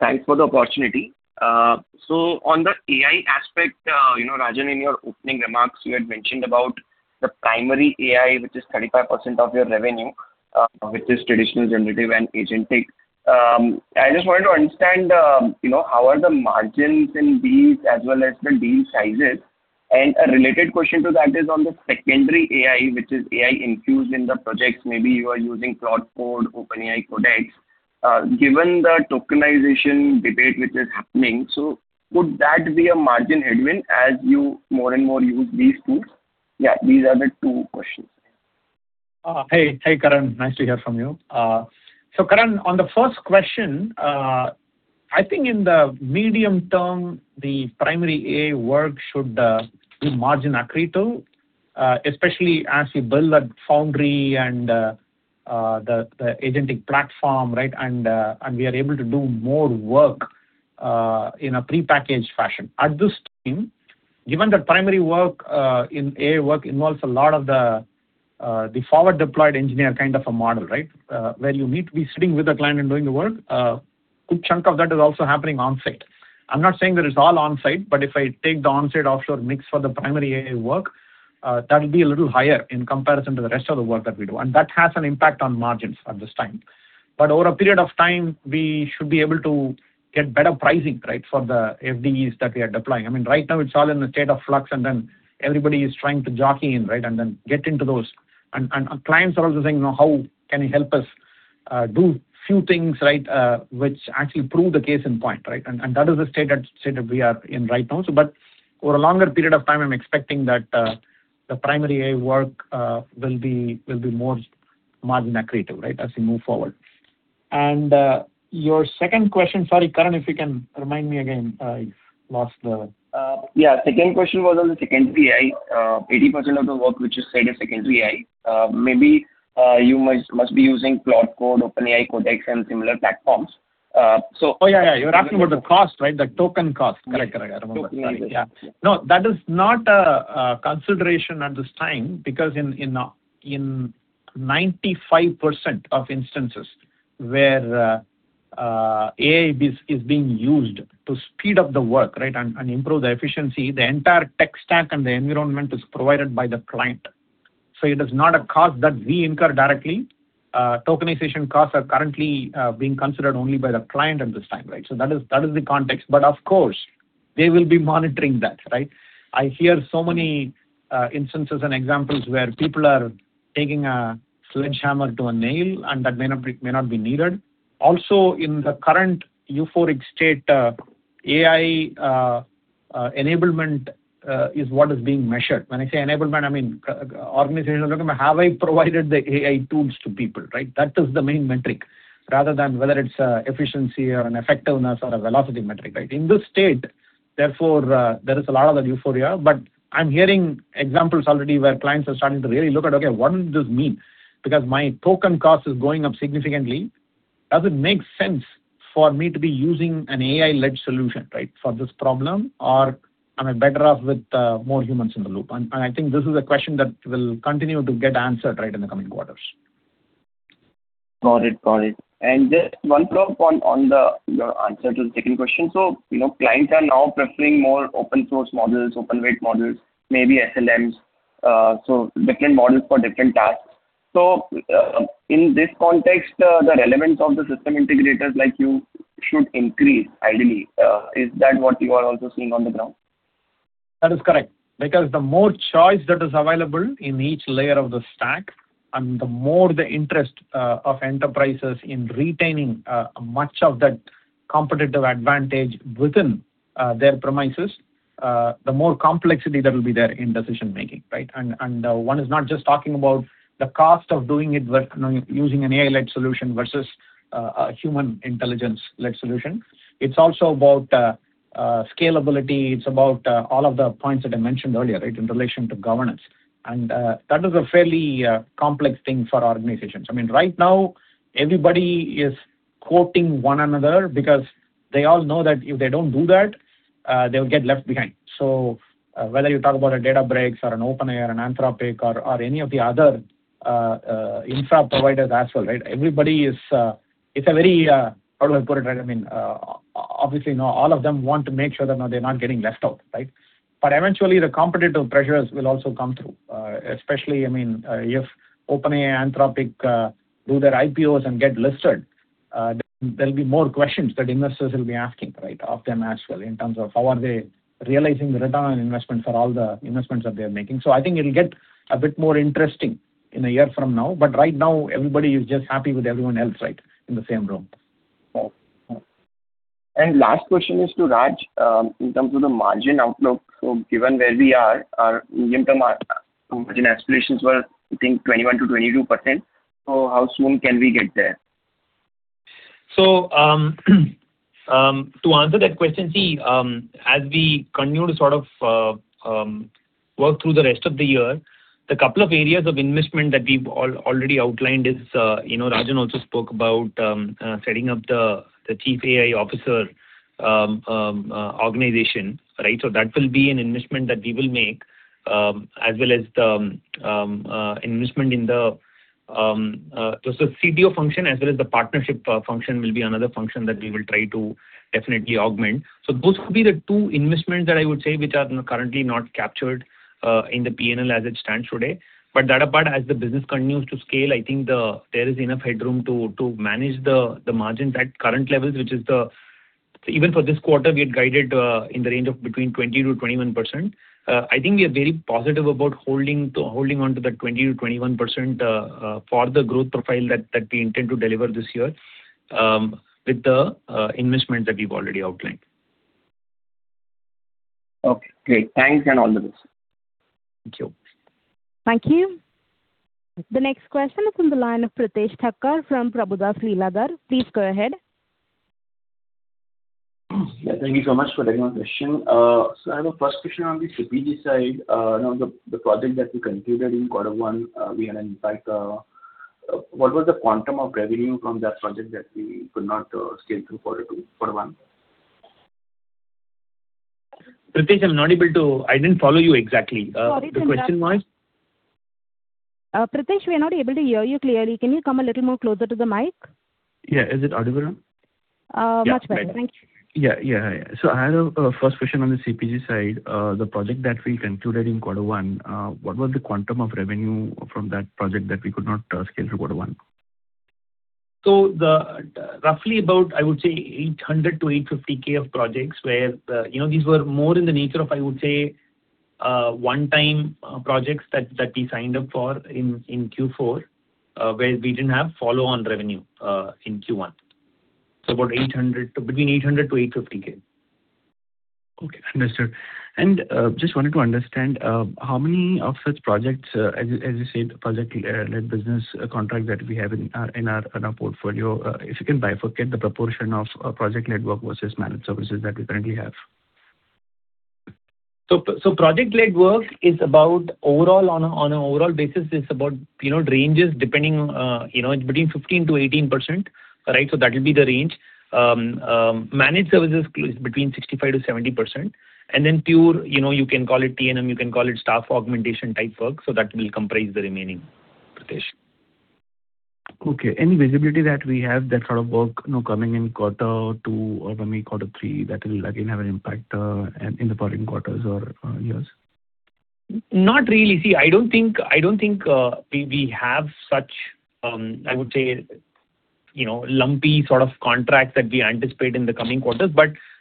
S8: Thanks for the opportunity. On the AI aspect, Rajan, in your opening remarks, you had mentioned about the primary AI, which is 35% of your revenue, which is traditional generative and agentic. I just wanted to understand, how are the margins in these as well as the deal sizes? A related question to that is on the secondary AI, which is AI infused in the projects. Maybe you are using Claude Code, OpenAI Codex. Given the tokenization debate which is happening, would that be a margin headwind as you more and more use these tools? These are the two questions.
S4: Hey, Karan. Nice to hear from you. Karan, on the first question, I think in the medium term, the primary AI work should be margin accretive, especially as we build that foundry and the agentic platform, right? We are able to do more work in a prepackaged fashion. At this time, given that primary work in AI work involves a lot of the Forward Deployed Engineer kind of a model, right? Where you need to be sitting with the client and doing the work. A good chunk of that is also happening on-site. I'm not saying that it's all on-site, but if I take the on-site offshore mix for the primary AI work, that'll be a little higher in comparison to the rest of the work that we do. That has an impact on margins at this time. Over a period of time, we should be able to get better pricing, right? For the FDEs that we are deploying. Right now it's all in a state of flux, everybody is trying to jockey in, right, get into those. Our clients are also saying, "How can you help us do few things, right, which actually prove the case in point?" Right? That is the state that we are in right now. Over a longer period of time, I'm expecting that the primary AI work will be more margin accretive, right, as we move forward. Your second question, sorry, Karan, if you can remind me again. I lost the—
S8: Yeah. Second question was on the secondary AI. 80% of the work which is said is secondary AI. Maybe you must be using Claude Code, OpenAI Codex, and similar platforms.
S4: Yeah. You're asking about the cost, right? The token cost. Correct. I remember.
S8: Tokenization.
S4: Yeah. No, that is not a consideration at this time because in 95% of instances where AI is being used to speed up the work, right, and improve the efficiency, the entire tech stack and the environment is provided by the client. It is not a cost that we incur directly. Tokenization costs are currently being considered only by the client at this time, right? That is the context. Of course, they will be monitoring that, right? I hear so many instances and examples where people are taking a sledgehammer to a nail, and that may not be needed. Also, in the current euphoric state, AI enablement is what is being measured. When I say enablement, I mean organizations are looking at have I provided the AI tools to people, right? That is the main metric, rather than whether it's efficiency or an effectiveness or a velocity metric, right? In this state, therefore, there is a lot of that euphoria, but I'm hearing examples already where clients are starting to really look at, okay, what does this mean? Because my token cost is going up significantly. Does it make sense for me to be using an AI-led solution, right, for this problem, or am I better off with more humans in the loop? I think this is a question that will continue to get answered right in the coming quarters.
S8: Got it. Just one follow-up on your answer to the second question. Clients are now preferring more open source models, open weight models, maybe SLMs, different models for different tasks. In this context, the relevance of the system integrators like you should increase, ideally. Is that what you are also seeing on the ground?
S4: That is correct. The more choice that is available in each layer of the stack, and the more the interest of enterprises in retaining much of that competitive advantage within their premises, the more complexity that will be there in decision making, right? One is not just talking about the cost of doing it using an AI-led solution versus a human intelligence-led solution. It's also about scalability. It's about all of the points that I mentioned earlier, right, in relation to governance. That is a fairly complex thing for organizations. Right now everybody is quoting one another because they all know that if they don't do that, they'll get left behind. Whether you talk about a Databricks or an OpenAI, an Anthropic or any of the other infra providers as well, right? how do I put it, right? Obviously, all of them want to make sure that they're not getting left out, right? Eventually the competitive pressures will also come through. Especially, if OpenAI, Anthropic, do their IPOs and get listed, there'll be more questions that investors will be asking, right, of them as well in terms of how are they realizing the return on investment for all the investments that they're making. I think it'll get a bit more interesting in a year from now, but right now everybody is just happy with everyone else, right, in the same room.
S8: Last question is to Raj, in terms of the margin outlook. Given where we are, our medium-term margin aspirations were, I think 21%-22%. How soon can we get there?
S5: To answer that question, as we continue to work through the rest of the year, the couple of areas of investment that we've already outlined is, Rajan also spoke about setting up the Chief AI Officer organization, right? That will be an investment that we will make, as well as the investment in the CDO function as well as the partnership function will be another function that we will try to definitely augment. Those could be the two investments that I would say which are currently not captured in the P&L as it stands today. That apart, as the business continues to scale, I think there is enough headroom to manage the margins at current levels. Even for this quarter, we had guided in the range of between 20%-21%. I think we are very positive about holding on to that 20%-21% for the growth profile that we intend to deliver this year with the investment that we've already outlined.
S8: Okay, great. Thanks and all the best.
S5: Thank you.
S1: Thank you. The next question is on the line of Pritesh Thakkar from Prabhudas Lilladher. Please go ahead.
S9: Thank you so much for taking my question. I have a first question on the CPG side. Now, the project that we concluded in quarter one, we had an impact. What was the quantum of revenue from that project that we could not scale through quarter one?
S5: Pritesh, I'm not able to I didn't follow you exactly.
S1: Sorry, Pritesh.
S5: The question was?
S1: Pritesh, we are not able to hear you clearly. Can you come a little more closer to the mic?
S9: Yeah. Is it audible now?
S1: Much better. Thank you.
S9: I had a first question on the CPG side. The project that we concluded in quarter one, what was the quantum of revenue from that project that we could not scale through quarter one?
S5: Roughly about, I would say, $800,000-$850,000 of projects where these were more in the nature of, I would say, one-time projects that we signed up for in Q4, where we didn't have follow-on revenue in Q1. Between $800,000-$850,000.
S9: Okay. Understood. Just wanted to understand, how many of such projects, as you said, project-led business contract that we have in our portfolio. If you can bifurcate the proportion of project work versus managed services that we currently have.
S5: Project-led work is about, on an overall basis, it's about ranges depending between 15%-18%. That will be the range. Managed services is between 65%-70%. Pure, you can call it T&M, you can call it staff augmentation type work, so that will comprise the remaining, Pritesh.
S9: Okay. Any visibility that we have that sort of work now coming in quarter two or coming quarter three that will again have an impact in the following quarters or years?
S5: Not really. I don't think we have such, I would say, lumpy sort of contracts that we anticipate in the coming quarters.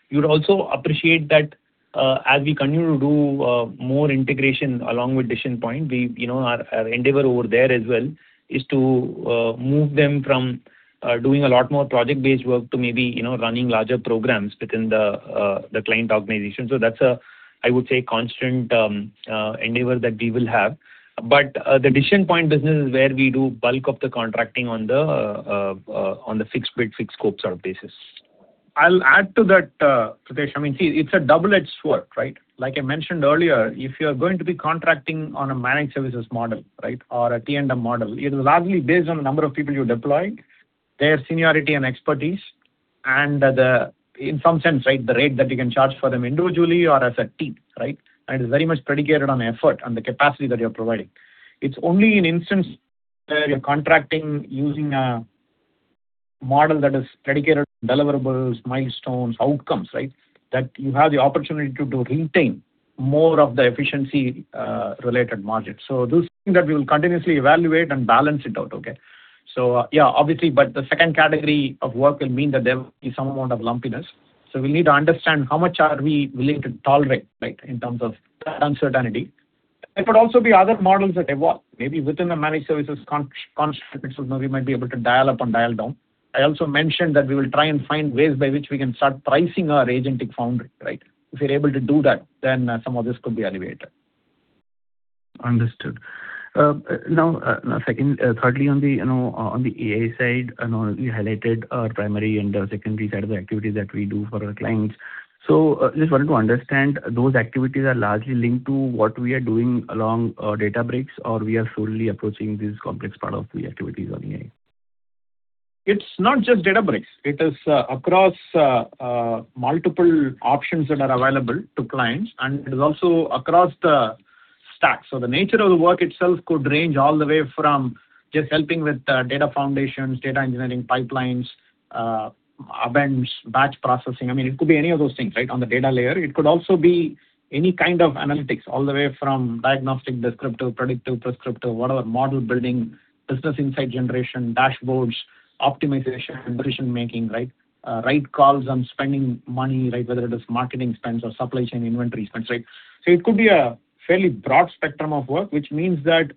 S5: You'd also appreciate that as we continue to do more integration along with Decision Point, our endeavor over there as well is to move them from doing a lot more project-based work to maybe running larger programs within the client organization. That's, I would say, constant endeavor that we will have. The Decision Point business is where we do bulk of the contracting on the fixed bid, fixed scope sort of basis.
S4: I'll add to that, Pritesh. It's a double-edged sword. Like I mentioned earlier, if you're going to be contracting on a managed services model or a T&M model, it is largely based on the number of people you deployed, their seniority and expertise and the, in some sense, the rate that you can charge for them individually or as a team. It's very much predicated on effort and the capacity that you're providing. It's only in instance where you're contracting using a model that is predicated on deliverables, milestones, outcomes, that you have the opportunity to retain more of the efficiency-related margin. Those things that we will continuously evaluate and balance it out. yeah, obviously, the second category of work will mean that there will be some amount of lumpiness. We need to understand how much are we willing to tolerate in terms of that uncertainty. There could also be other models that evolve, maybe within a managed services construct, we might be able to dial up and dial down. I also mentioned that we will try and find ways by which we can start pricing our agent foundry. If we're able to do that, then some of this could be elevated.
S9: Understood. Thirdly on the AI side, you highlighted our primary and our secondary side of the activities that we do for our clients. Just wanted to understand, those activities are largely linked to what we are doing along Databricks, or we are solely approaching this complex part of the activities on AI?
S4: It's not just Databricks. It is across multiple options that are available to clients, and it is also across the stack. The nature of the work itself could range all the way from just helping with data foundations, data engineering pipelines, events, batch processing. It could be any of those things on the data layer. It could also be any kind of analytics, all the way from diagnostic, descriptive, predictive, prescriptive, whatever, model building, business insight generation, dashboards, optimization, decision making. Right calls on spending money, whether it is marketing spends or supply chain inventory spends. It could be a fairly broad spectrum of work, which means that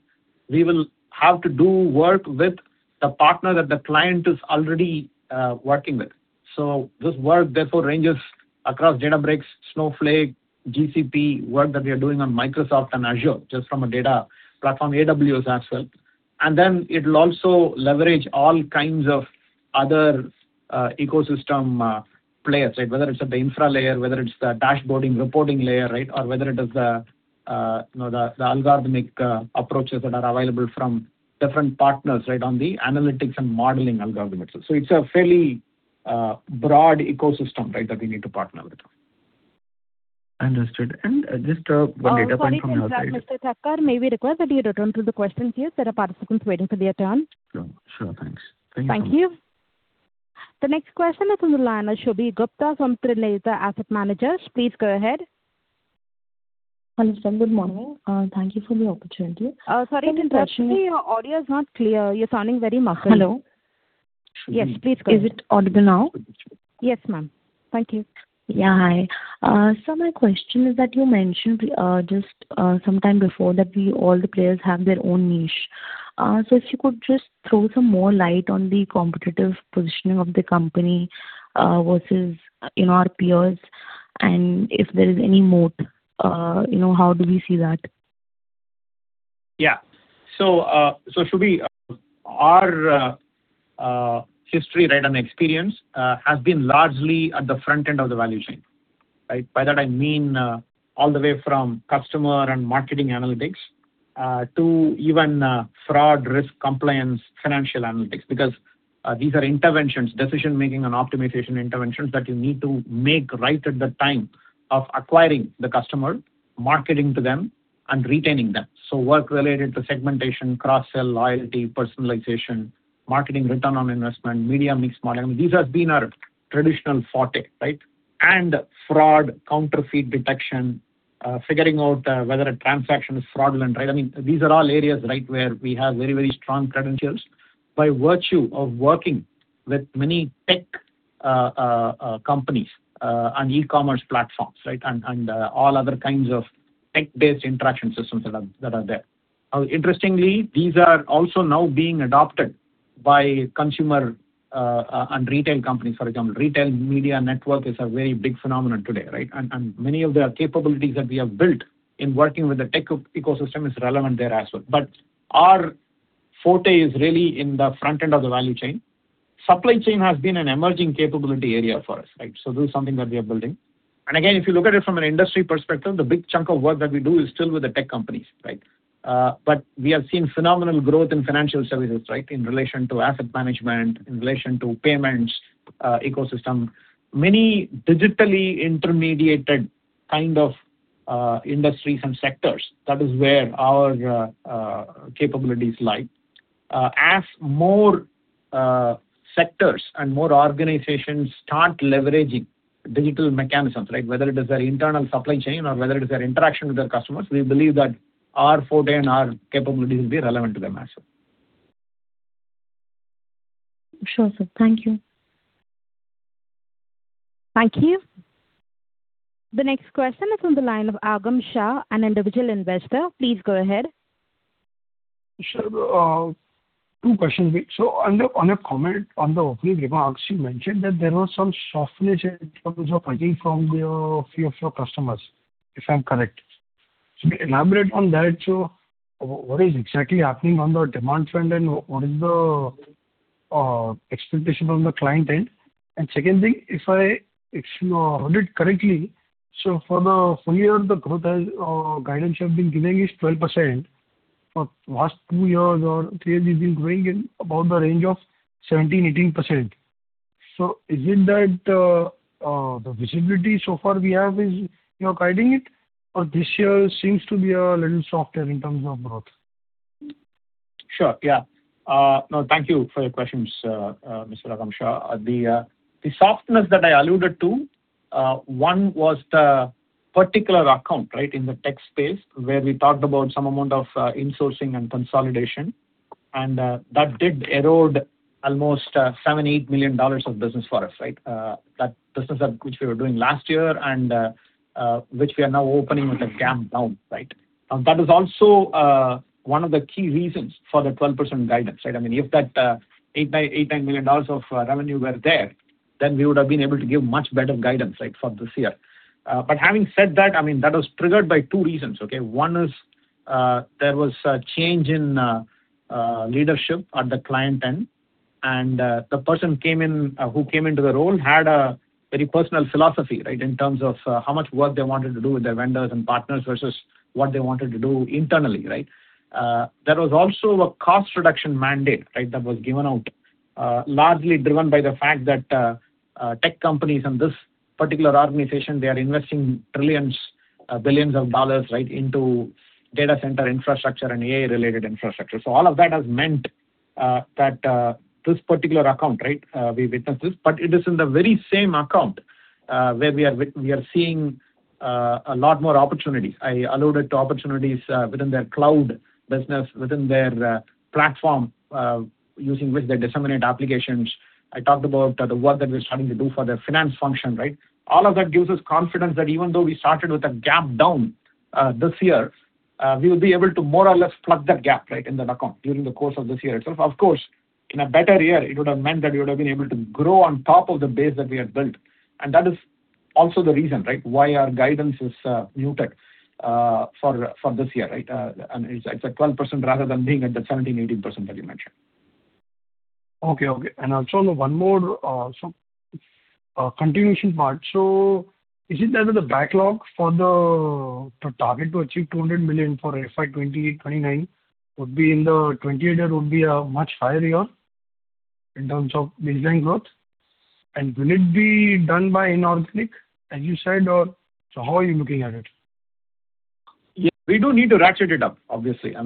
S4: we will have to do work with the partner that the client is already working with. This work therefore ranges across Databricks, Snowflake, GCP, work that we are doing on Microsoft and Azure, just from a data platform, AWS as well. Then it'll also leverage all kinds of other ecosystem players. Whether it's at the infra layer, whether it's the dashboarding, reporting layer, or whether it is the algorithmic approaches that are available from different partners on the analytics and modeling algorithms. It's a fairly broad ecosystem that we need to partner with.
S9: Understood. Just one data point from your side.
S1: Sorry to interrupt, Mr. Thakkar. May we request that you return to the questions queue? There are participants waiting for their turn.
S9: Sure. Thanks.
S1: Thank you. The next question is on the line of Shubhi Gupta from Trinetra Asset Managers. Please go ahead.
S10: Hello, ma'am. Good morning. Thank you for the opportunity.
S1: Sorry to interrupt you. Your audio is not clear. You're sounding very muffled.
S10: Hello.
S1: Yes, please go ahead.
S10: Is it audible now?
S1: Yes, ma'am. Thank you.
S10: Hi. My question is that you mentioned just sometime before that all the players have their own niche. If you could just throw some more light on the competitive positioning of the company versus in our peers and if there is any moat, how do we see that?
S4: Shubhi, our history and experience has been largely at the front end of the value chain. By that I mean all the way from customer and marketing analytics to even fraud risk compliance, financial analytics. Because these are interventions, decision-making and optimization interventions that you need to make right at the time of acquiring the customer, marketing to them, and retaining them. Work related to segmentation, cross-sell, loyalty, personalization, marketing return on investment, media mix modeling, these have been our traditional forte. Fraud, counterfeit detection, figuring out whether a transaction is fraudulent. These are all areas where we have very strong credentials by virtue of working with many tech companies and e-commerce platforms. All other kinds of tech-based interaction systems that are there. Interestingly, these are also now being adopted by consumer and retail companies. For example, retail media network is a very big phenomenon today. Many of the capabilities that we have built in working with the tech ecosystem is relevant there as well. Our forte is really in the front end of the value chain. Supply chain has been an emerging capability area for us. This is something that we are building. Again, if you look at it from an industry perspective, the big chunk of work that we do is still with the tech companies. We have seen phenomenal growth in financial services. In relation to asset management, in relation to payments ecosystem. Many digitally intermediated kind of industries and sectors, that is where our capabilities lie. As more sectors and more organizations start leveraging digital mechanisms. Whether it is their internal supply chain or whether it is their interaction with their customers, we believe that our forte and our capabilities will be relevant to them as well.
S10: Sure, sir. Thank you.
S1: Thank you. The next question is on the line of Agam Shah, an individual investor. Please go ahead.
S11: Sure. Two questions. On your comment on the opening remarks, you mentioned that there was some softness in terms of hiring from a few of your customers. If I'm correct. Elaborate on that. What is exactly happening on the demand front, and what is the expectation from the client end? Second thing, if I heard it correctly, for the full-year, the growth guidance you have been giving is 12%. For last two years or three years, you've been growing in about the range of 17%, 18%. Is it that the visibility so far we have is guiding it or this year seems to be a little softer in terms of growth?
S4: Sure. Yeah. No, thank you for your questions, Mr. Agam Shah. The softness that I alluded to was the particular account. In the tech space, where we talked about some amount of insourcing and consolidation, that did erode almost $7 million-$8 million of business for us. That business which we were doing last year and which we are now opening with a gap down. That is also one of the key reasons for the 12% guidance. If that $8 million-$9 million of revenue were there, we would have been able to give much better guidance for this year. Having said that was triggered by two reasons. One is, there was a change in leadership at the client end, and the person who came into the role had a very personal philosophy. In terms of how much work they wanted to do with their vendors and partners versus what they wanted to do internally. There was also a cost reduction mandate that was given out. Largely driven by the fact that tech companies and this particular organization, they are investing billions of dollars into data center infrastructure and AI-related infrastructure. All of that has meant that this particular account we witnessed this, but it is in the very same account where we are seeing a lot more opportunities. I alluded to opportunities within their cloud business, within their platform using which they disseminate applications. I talked about the work that we're starting to do for their finance function. All of that gives us confidence that even though we started with a gap down this year, we will be able to more or less plug that gap in that account during the course of this year itself. Of course, in a better year, it would have meant that we would have been able to grow on top of the base that we had built, and that is also the reason why our guidance is muted for this year. It's at 12% rather than being at that 17%-18% that you mentioned.
S11: Okay. Also one more continuation part. Is it that the backlog for the target to achieve $200 million for FY 2028, 2029 would be in the 2028 year would be a much higher year in terms of business growth? Will it be done by inorganic, as you said, or how are you looking at it?
S4: Yeah. We do need to ratchet it up, obviously.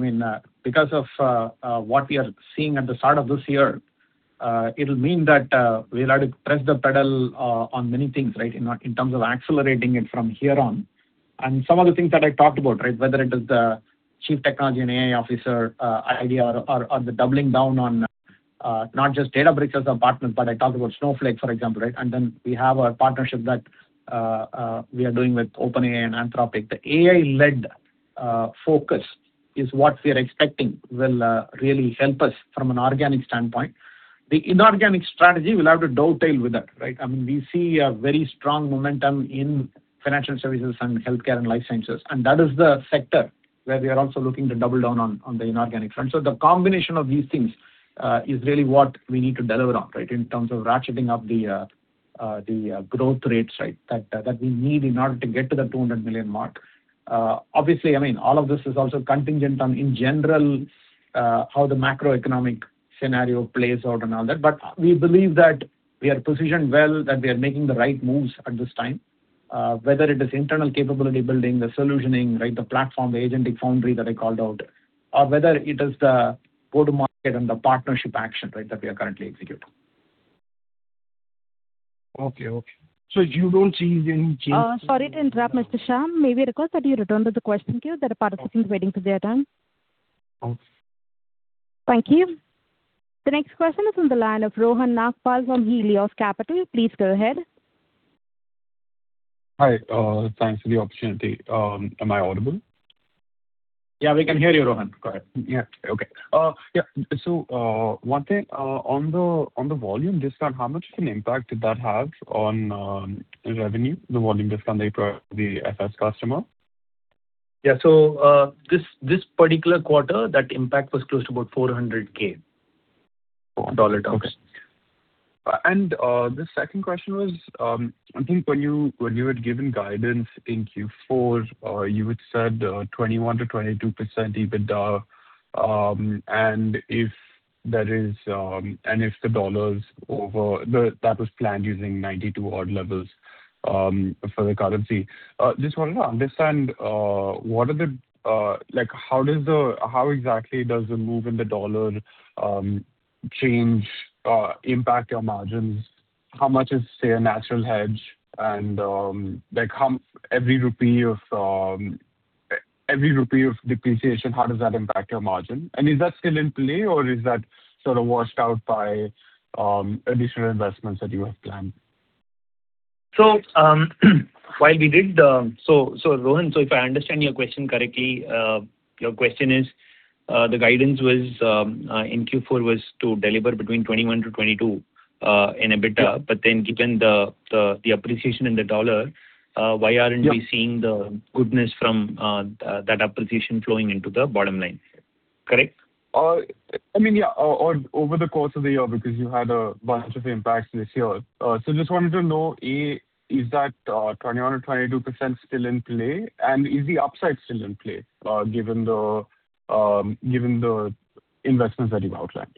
S4: Because of what we are seeing at the start of this year. It'll mean that we'll have to press the pedal on many things in terms of accelerating it from here on. Some of the things that I talked about, whether it is the Chief Technology and AI Officer idea or the doubling down on not just Databricks as a partner, but I talked about Snowflake, for example. Then we have a partnership that we are doing with OpenAI and Anthropic. The AI-led focus is what we are expecting will really help us from an organic standpoint. The inorganic strategy will have to dovetail with that. We see a very strong momentum in financial services and healthcare and life sciences, and that is the sector where we are also looking to double down on the inorganic front. The combination of these things is really what we need to deliver on in terms of ratcheting up the growth rates that we need in order to get to the $200 million mark. Obviously, all of this is also contingent on, in general, how the macroeconomic scenario plays out and all that. We believe that we are positioned well, that we are making the right moves at this time, whether it is internal capability building, the solutioning, the platform, the agent foundry that I called out, or whether it is the go to market and the partnership action that we are currently executing.
S11: Okay. You don't see any change—
S1: Sorry to interrupt, Mr. Shah. May we request that you return to the question queue? There are participants waiting for their turn.
S11: Okay.
S1: Thank you. The next question is on the line of Rohan Nagpal from Helios Capital. Please go ahead.
S12: Hi. Thanks for the opportunity. Am I audible?
S4: Yeah, we can hear you, Rohan. Go ahead.
S12: Yeah. One thing, on the volume discount, how much of an impact did that have on revenue, the volume discount that you provide to the FS customer?
S5: Yeah. This particular quarter, that impact was close to about $400,000.
S12: Okay. The second question was, I think when you had given guidance in Q4, you had said 21%-22% EBITDA. That was planned using 92 odd levels for the currency. Just wanted to understand, how exactly does the move in the dollar impact your margins? How much is, say, a natural hedge, and every rupee of depreciation, how does that impact your margin? Is that still in play, or is that sort of washed out by additional investments that you have planned?
S5: Rohan, if I understand your question correctly, your question is, the guidance in Q4 was to deliver between 21%-22% EBITDA. Given the appreciation in the dollar, why aren't we seeing the goodness from that appreciation flowing into the bottom line? Correct?
S12: Over the course of the year, because you had a bunch of impacts this year. Just wanted to know, a, is that 21% or 22% still in play, and is the upside still in play, given the investments that you've outlined?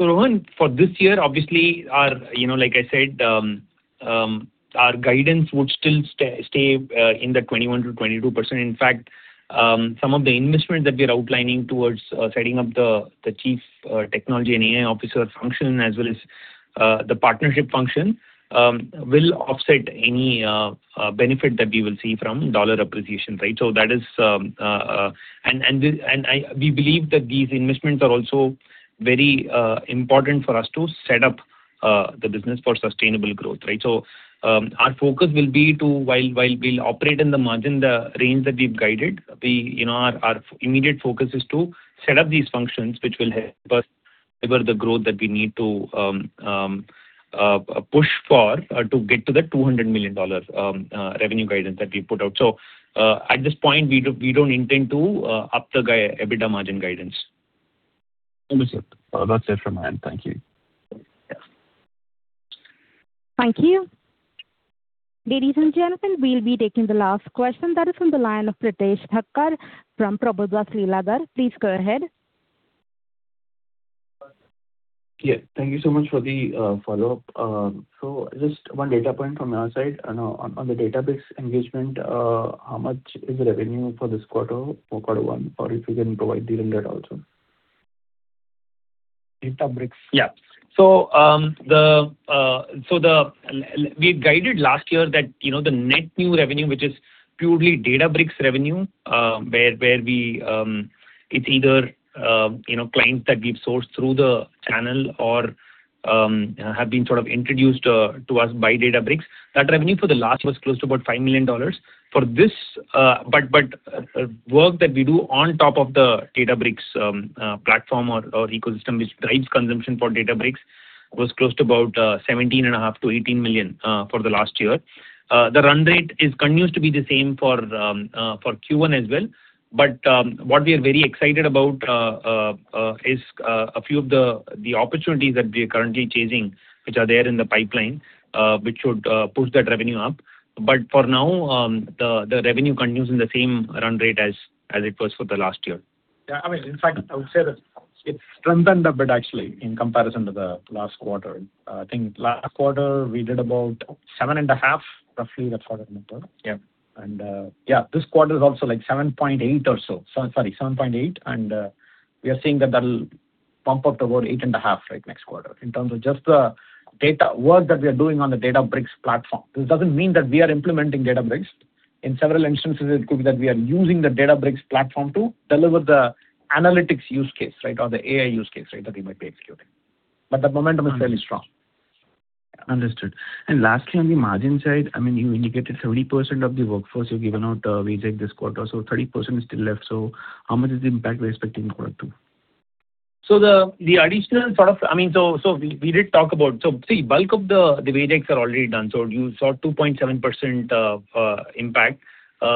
S5: Rohan, for this year, obviously, like I said, our guidance would still stay in the 21%-22%. In fact, some of the investments that we are outlining towards setting up the Chief Technology and AI Officer function, as well as the partnership function, will offset any benefit that we will see from dollar appreciation. We believe that these investments are also very important for us to set up the business for sustainable growth. Our focus will be to, while we'll operate in the margin, the range that we've guided, our immediate focus is to set up these functions, which will help us deliver the growth that we need to push for to get to the $200 million revenue guidance that we put out. At this point, we don't intend to up the EBITDA margin guidance.
S12: Understood. That's it from my end. Thank you.
S5: Yeah.
S1: Thank you. Ladies and gentlemen, we'll be taking the last question. That is from the line of Pritesh Thakkar from Prabhudas Lilladher. Please go ahead.
S9: Yeah. Thank you so much for the follow-up. Just one data point from our side. On the Databricks engagement, how much is the revenue for this quarter or quarter one? Or if you can provide the run rate also. Databricks.
S5: Yeah. We had guided last year that the net new revenue, which is purely Databricks revenue. It's either clients that we've sourced through the channel or have been sort of introduced to us by Databricks. That revenue for the last was close to about $5 million. Work that we do on top of the Databricks platform or ecosystem, which drives consumption for Databricks, was close to about $17.5 million-$18 million for the last year. The run rate continues to be the same for Q1 as well. What we are very excited about is a few of the opportunities that we are currently chasing, which are there in the pipeline, which should push that revenue up. For now, the revenue continues in the same run rate as it was for the last year.
S4: Yeah. In fact, I would say that it strengthened a bit actually in comparison to the last quarter. I think last quarter, we did about $7.5 million, roughly that sort of number.
S5: Yeah.
S4: Yeah, this quarter is also like $7.8 million or so. Sorry, $7.8 million. We are seeing that. Pump up to about $8.5 million next quarter in terms of just the work that we are doing on the Databricks platform. This doesn't mean that we are implementing Databricks. In several instances, it could be that we are using the Databricks platform to deliver the analytics use case or the AI use case that we might be executing. The momentum is fairly strong.
S9: Understood. Lastly, on the margin side, you indicated 30% of the workforce you've given out wage hike this quarter. 30% is still left. How much is the impact we're expecting in quarter two?
S5: Bulk of the wage hikes are already done. You saw 2.7% impact.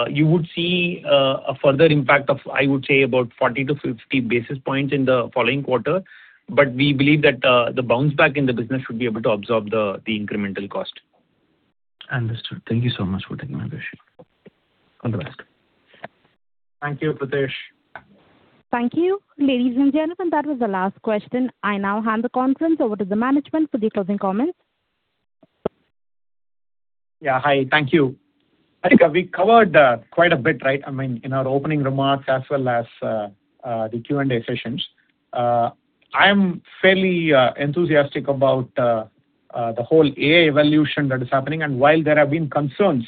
S5: You would see a further impact of, I would say, about 40-50 basis points in the following quarter. We believe that the bounce back in the business should be able to absorb the incremental cost.
S9: Understood. Thank you so much for taking my question. All the best.
S5: Thank you, Pritesh.
S1: Thank you. Ladies and gentlemen, that was the last question. I now hand the conference over to the management for the closing comments.
S4: Yeah. Hi. Thank you. I think we covered quite a bit in our opening remarks as well as the Q and A sessions. I am fairly enthusiastic about the whole AI evolution that is happening. While there have been concerns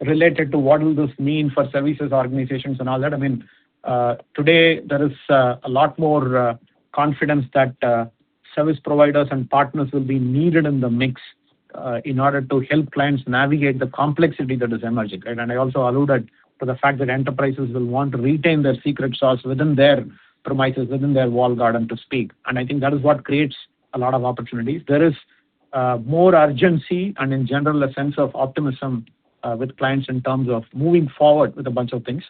S4: related to what will this mean for services organizations and all that, today there is a lot more confidence that service providers and partners will be needed in the mix in order to help clients navigate the complexity that is emerging. I also alluded to the fact that enterprises will want to retain their secret sauce within their premises, within their walled garden, to speak. I think that is what creates a lot of opportunities. There is more urgency and in general, a sense of optimism with clients in terms of moving forward with a bunch of things.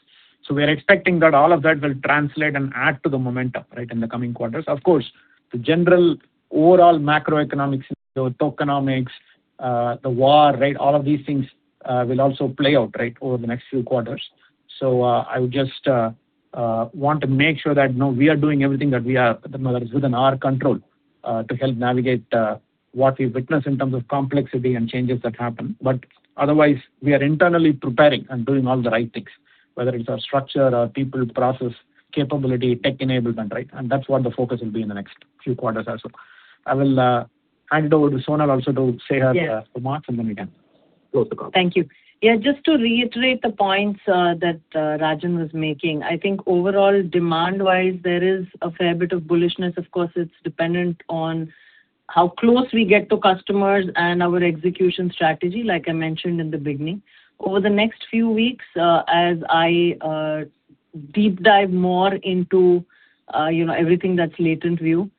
S4: We are expecting that all of that will translate and add to the momentum in the coming quarters. Of course, the general overall macroeconomic scenario, tokenomics, the war, all of these things will also play out over the next few quarters. I would just want to make sure that we are doing everything that is within our control to help navigate what we've witnessed in terms of complexity and changes that happen. Otherwise, we are internally preparing and doing all the right things, whether it's our structure, our people, process, capability, tech enablement. That's what the focus will be in the next few quarters as well. I will hand it over to Sonal also to say her remarks, and then we can close the call.
S3: Thank you. Just to reiterate the points that Rajan was making, I think overall, demand-wise, there is a fair bit of bullishness. Of course, it's dependent on how close we get to customers and our execution strategy, like I mentioned in the beginning. Over the next few weeks, as I deep dive more into everything that's LatentView,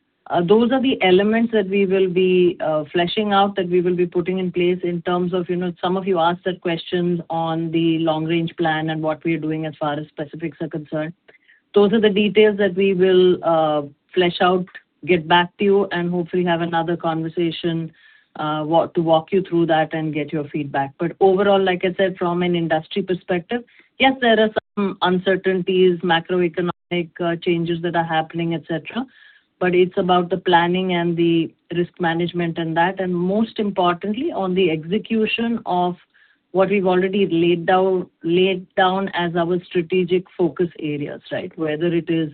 S3: those are the elements that we will be fleshing out, that we will be putting in place in terms of, some of you asked that questions on the long range plan and what we are doing as far as specifics are concerned. Those are the details that we will flesh out, get back to you, and hopefully have another conversation to walk you through that and get your feedback. Overall, like I said, from an industry perspective, yes, there are some uncertainties, macroeconomic changes that are happening, et cetera. It's about the planning and the risk management and that, and most importantly, on the execution of what we've already laid down as our strategic focus areas. Whether it is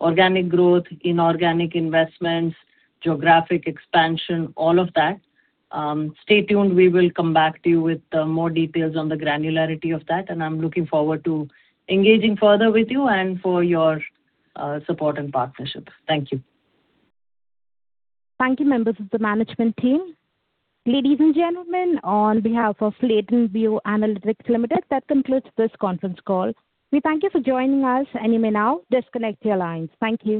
S3: organic growth, inorganic investments, geographic expansion, all of that. Stay tuned. We will come back to you with more details on the granularity of that, I'm looking forward to engaging further with you and for your support and partnership. Thank you.
S1: Thank you, members of the management team. Ladies and gentlemen, on behalf of LatentView Analytics Limited, that concludes this conference call. We thank you for joining us, you may now disconnect your lines. Thank you.